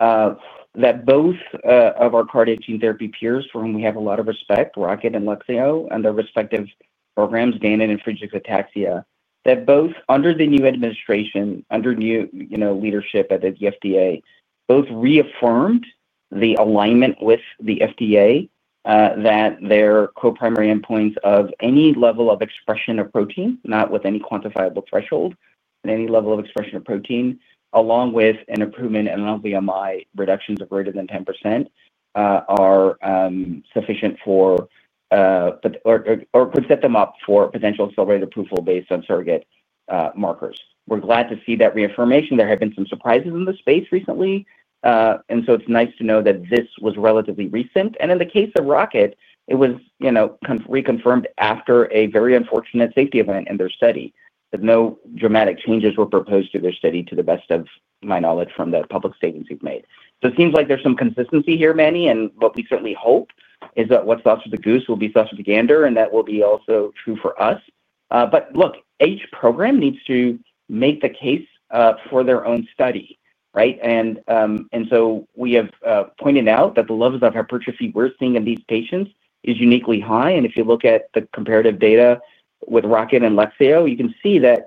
both of our cardiac Gene Therapy peers for whom we have a lot of respect, Rocket and Lexeo, and their respective programs, Danon and Friedreich's ataxia, that both under the new administration, under new leadership at the FDA, both reaffirmed the alignment with the FDA that their co-primary endpoints of any level of expression of protein, not with any quantifiable threshold, at any level of expression of protein, along with an improvement in LVMI reductions of greater than 10%, are sufficient for or could set them up for potential accelerated approval based on surrogate markers. We're glad to see that reaffirmation. There have been some surprises in the space recently. It is nice to know that this was relatively recent. In the case of Rocket, it was reconfirmed after a very unfortunate safety event in their study. No dramatic changes were proposed to their study, to the best of my knowledge from the public statements you've made. It seems like there's some consistency here, Mani. What we certainly hope is that what's lost with the goose will be lost with the gander, and that will be also true for us. Each program needs to make the case for their own study, right? We have pointed out that the levels of hypertrophy we're seeing in these patients is uniquely high. If you look at the comparative data with Rocket and Lexeo, you can see that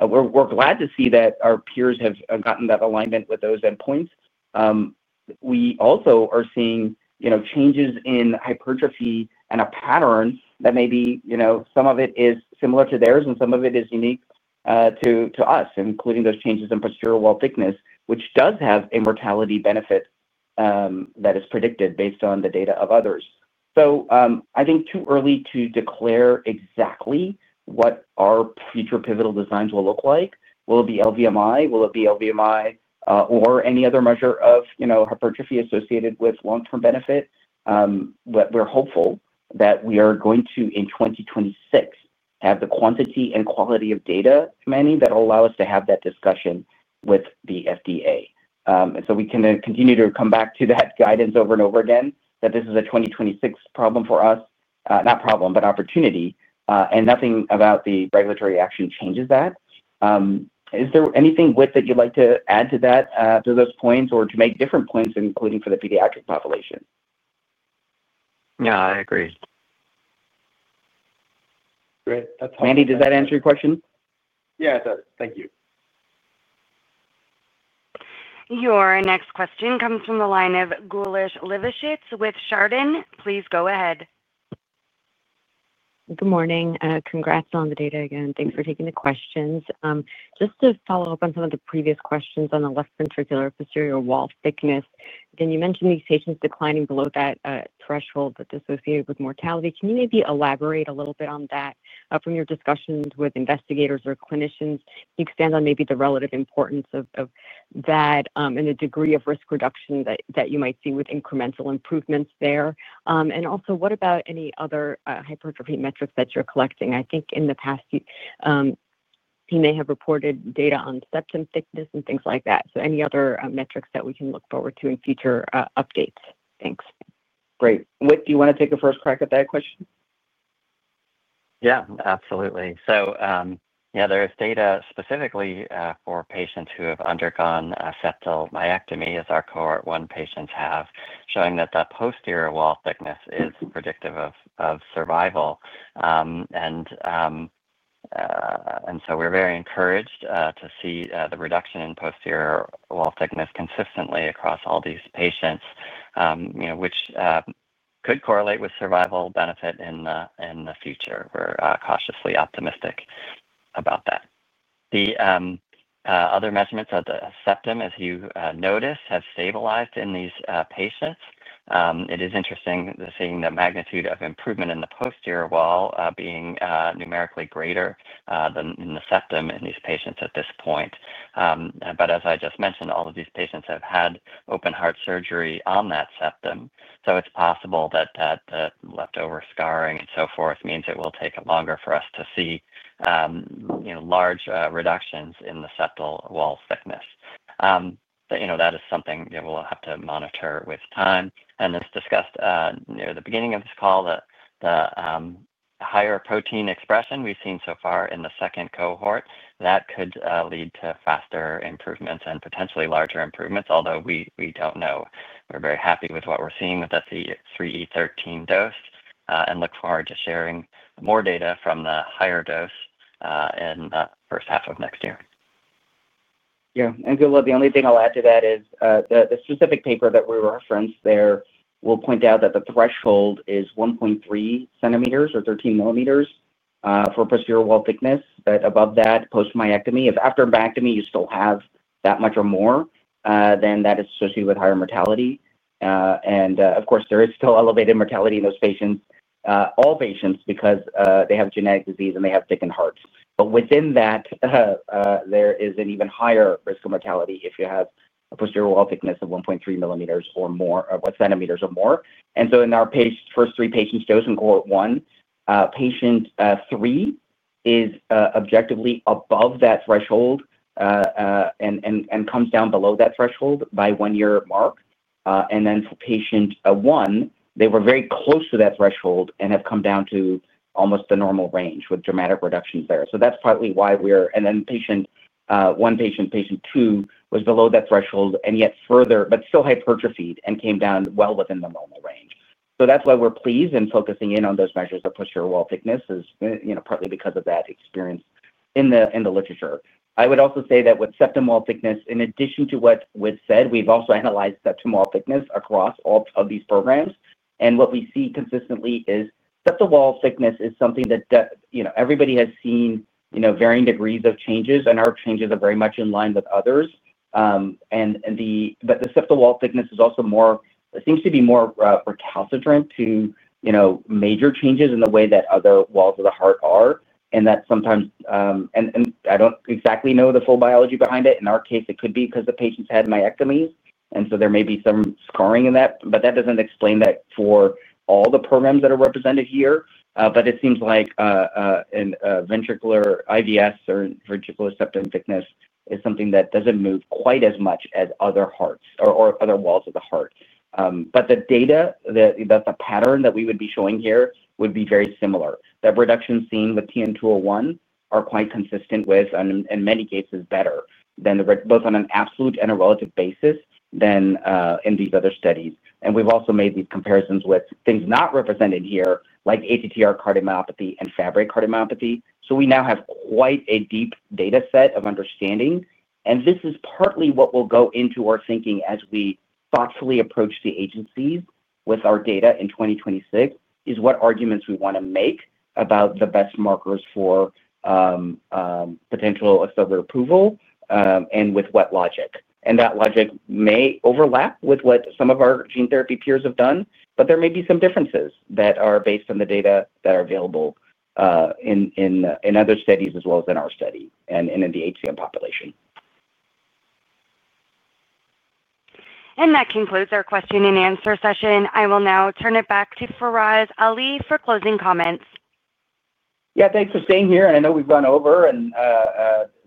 we're glad to see that our peers have gotten that alignment with those endpoints. We also are seeing changes in hypertrophy and a pattern that maybe some of it is similar to theirs, and some of it is unique to us, including those changes in posterior wall thickness, which does have a mortality benefit that is predicted based on the data of others. I think too early to declare exactly what our future pivotal designs will look like. Will it be LVMI? Will it be LVMI or any other measure of hypertrophy associated with long-term benefit? We're hopeful that we are going to, in 2026, have the quantity and quality of data, Mani, that will allow us to have that discussion with the FDA. We can continue to come back to that guidance over and over again that this is a 2026 problem for us, not problem, but opportunity. Nothing about the regulatory action changes that. Is there anything, Whit, that you'd like to add to those points or to make different points, including for the pediatric population? No, I agree. Great. That's helpful. Mani, does that answer your question? Yeah, it does. Thank you. Your next question comes from the line of Geulah Livshits with Chardan. Please go ahead. Good morning. Congrats on the data again. Thanks for taking the questions. Just to follow up on some of the previous questions on the left ventricular posterior wall thickness, again, you mentioned these patients declining below that threshold that's associated with mortality. Can you maybe elaborate a little bit on that from your discussions with investigators or clinicians? You expand on maybe the relative importance of that and the degree of risk reduction that you might see with incremental improvements there. Also, what about any other hypertrophy metrics that you're collecting? I think in the past, you may have reported data on septum thickness and things like that. So any other metrics that we can look forward to in future updates? Thanks. Great. Whit, do you want to take a first crack at that question? Yeah, absolutely. So yeah, there is data specifically for patients who have undergone septal myectomy, as our Cohort 1 patients have, showing that that posterior wall thickness is predictive of survival. And so we're very encouraged to see the reduction in posterior wall thickness consistently across all these patients, which could correlate with survival benefit in the future. We're cautiously optimistic about that. The other measurements of the septum, as you notice, have stabilized in these patients. It is interesting seeing the magnitude of improvement in the posterior wall being numerically greater than in the septum in these patients at this point. As I just mentioned, all of these patients have had open-heart surgery on that septum. It is possible that the leftover scarring and so forth means it will take longer for us to see large reductions in the septal wall thickness. That is something we will have to monitor with time. As discussed near the beginning of this call, the higher protein expression we have seen so far in the second cohort could lead to faster improvements and potentially larger improvements, although we do not know. We are very happy with what we are seeing with the 3E13 dose and look forward to sharing more data from the higher dose in the first half of next year. Yeah. The only thing I will add to that is the specific paper that we referenced there will point out that the threshold is 1.3 centimeters or 13 millimeters for posterior wall thickness. Above that, post-myectomy, if after myectomy you still have that much or more, that is associated with higher mortality. Of course, there is still elevated mortality in those patients, all patients, because they have genetic disease and they have thickened hearts. Within that, there is an even higher risk of mortality if you have a posterior wall thickness of 1.3 cm or more. In our first three patients chosen for Cohort 1, patient three is objectively above that threshold and comes down below that threshold by the one-year mark. For patient one, they were very close to that threshold and have come down to almost the normal range with dramatic reductions there. That is partly why we are—and then patient one, patient two was below that threshold and yet further, but still hypertrophied and came down well within the normal range. That is why we are pleased in focusing in on those measures of posterior wall thickness, partly because of that experience in the literature. I would also say that with septum wall thickness, in addition to what Whit said, we have also analyzed septum wall thickness across all of these programs. What we see consistently is septal wall thickness is something that everybody has seen varying degrees of changes, and our changes are very much in line with others. The septal wall thickness is also more—it seems to be more recalcitrant to major changes in the way that other walls of the heart are. That sometimes—and I do not exactly know the full biology behind it. In our case, it could be because the patients had myectomies, and so there may be some scarring in that. That does not explain that for all the programs that are represented here. It seems like ventricular IVS or ventricular septum thickness is something that does not move quite as much as other hearts or other walls of the heart. The data, the pattern that we would be showing here would be very similar. The reductions seen with TN-201 are quite consistent with, in many cases, better, both on an absolute and a relative basis than in these other studies. We have also made these comparisons with things not represented here, like ATTR cardiomyopathy and Fabry cardiomyopathy. We now have quite a deep data set of understanding. This is partly what will go into our thinking as we thoughtfully approach the agencies with our data in 2026, is what arguments we want to make about the best markers for potential accelerated approval and with what logic. That logic may overlap with what some of our Gene Therapy peers have done, but there may be some differences that are based on the data that are available in other studies as well as in our study and in the HCM population. That concludes our question and answer session. I will now turn it back to Faraz Ali for closing comments. Yeah, thanks for staying here. I know we've gone over.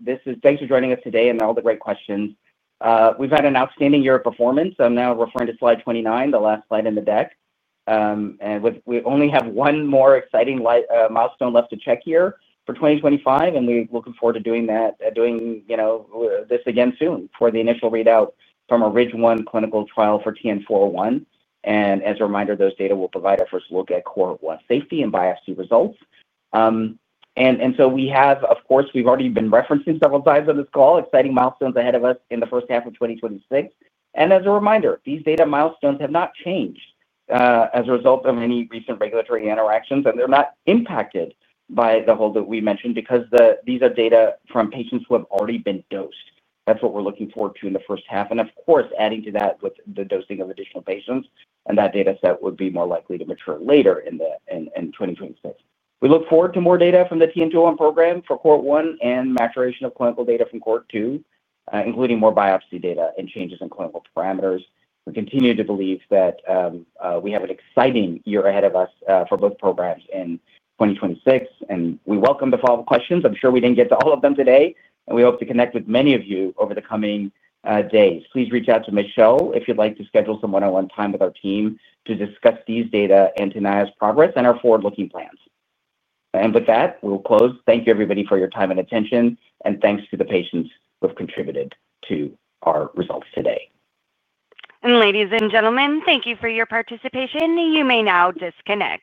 Thanks for joining us today and all the great questions. We've had an outstanding year of performance. I'm now referring to slide 29, the last slide in the deck. We only have one more exciting milestone left to check here for 2025, and we're looking forward to doing this again soon for the initial readout from a RIDGE-1 clinical trial for TN-401. As a reminder, those data will provide our first look at Cohort 1 safety and biopsy results. We have, of course, we've already been referencing several times on this call, exciting milestones ahead of us in the first half of 2026. As a reminder, these data milestones have not changed as a result of any recent regulatory interactions, and they're not impacted by the hold that we mentioned because these are data from patients who have already been dosed. That's what we're looking forward to in the first half. Of course, adding to that with the dosing of additional patients, and that data set would be more likely to mature later in 2026. We look forward to more data from the TN-201 program for Cohort 1 and maturation of clinical data from Cohort 2, including more biopsy data and changes in clinical parameters. We continue to believe that we have an exciting year ahead of us for both programs in 2026. We welcome the follow-up questions. I'm sure we didn't get to all of them today, and we hope to connect with many of you over the coming days. Please reach out to Michelle if you'd like to schedule some one-on-one time with our team to discuss these data and Tenaya's progress and our forward-looking plans. With that, we'll close. Thank you, everybody, for your time and attention, and thanks to the patients who have contributed to our results today. Ladies and gentlemen, thank you for your participation. You may now disconnect.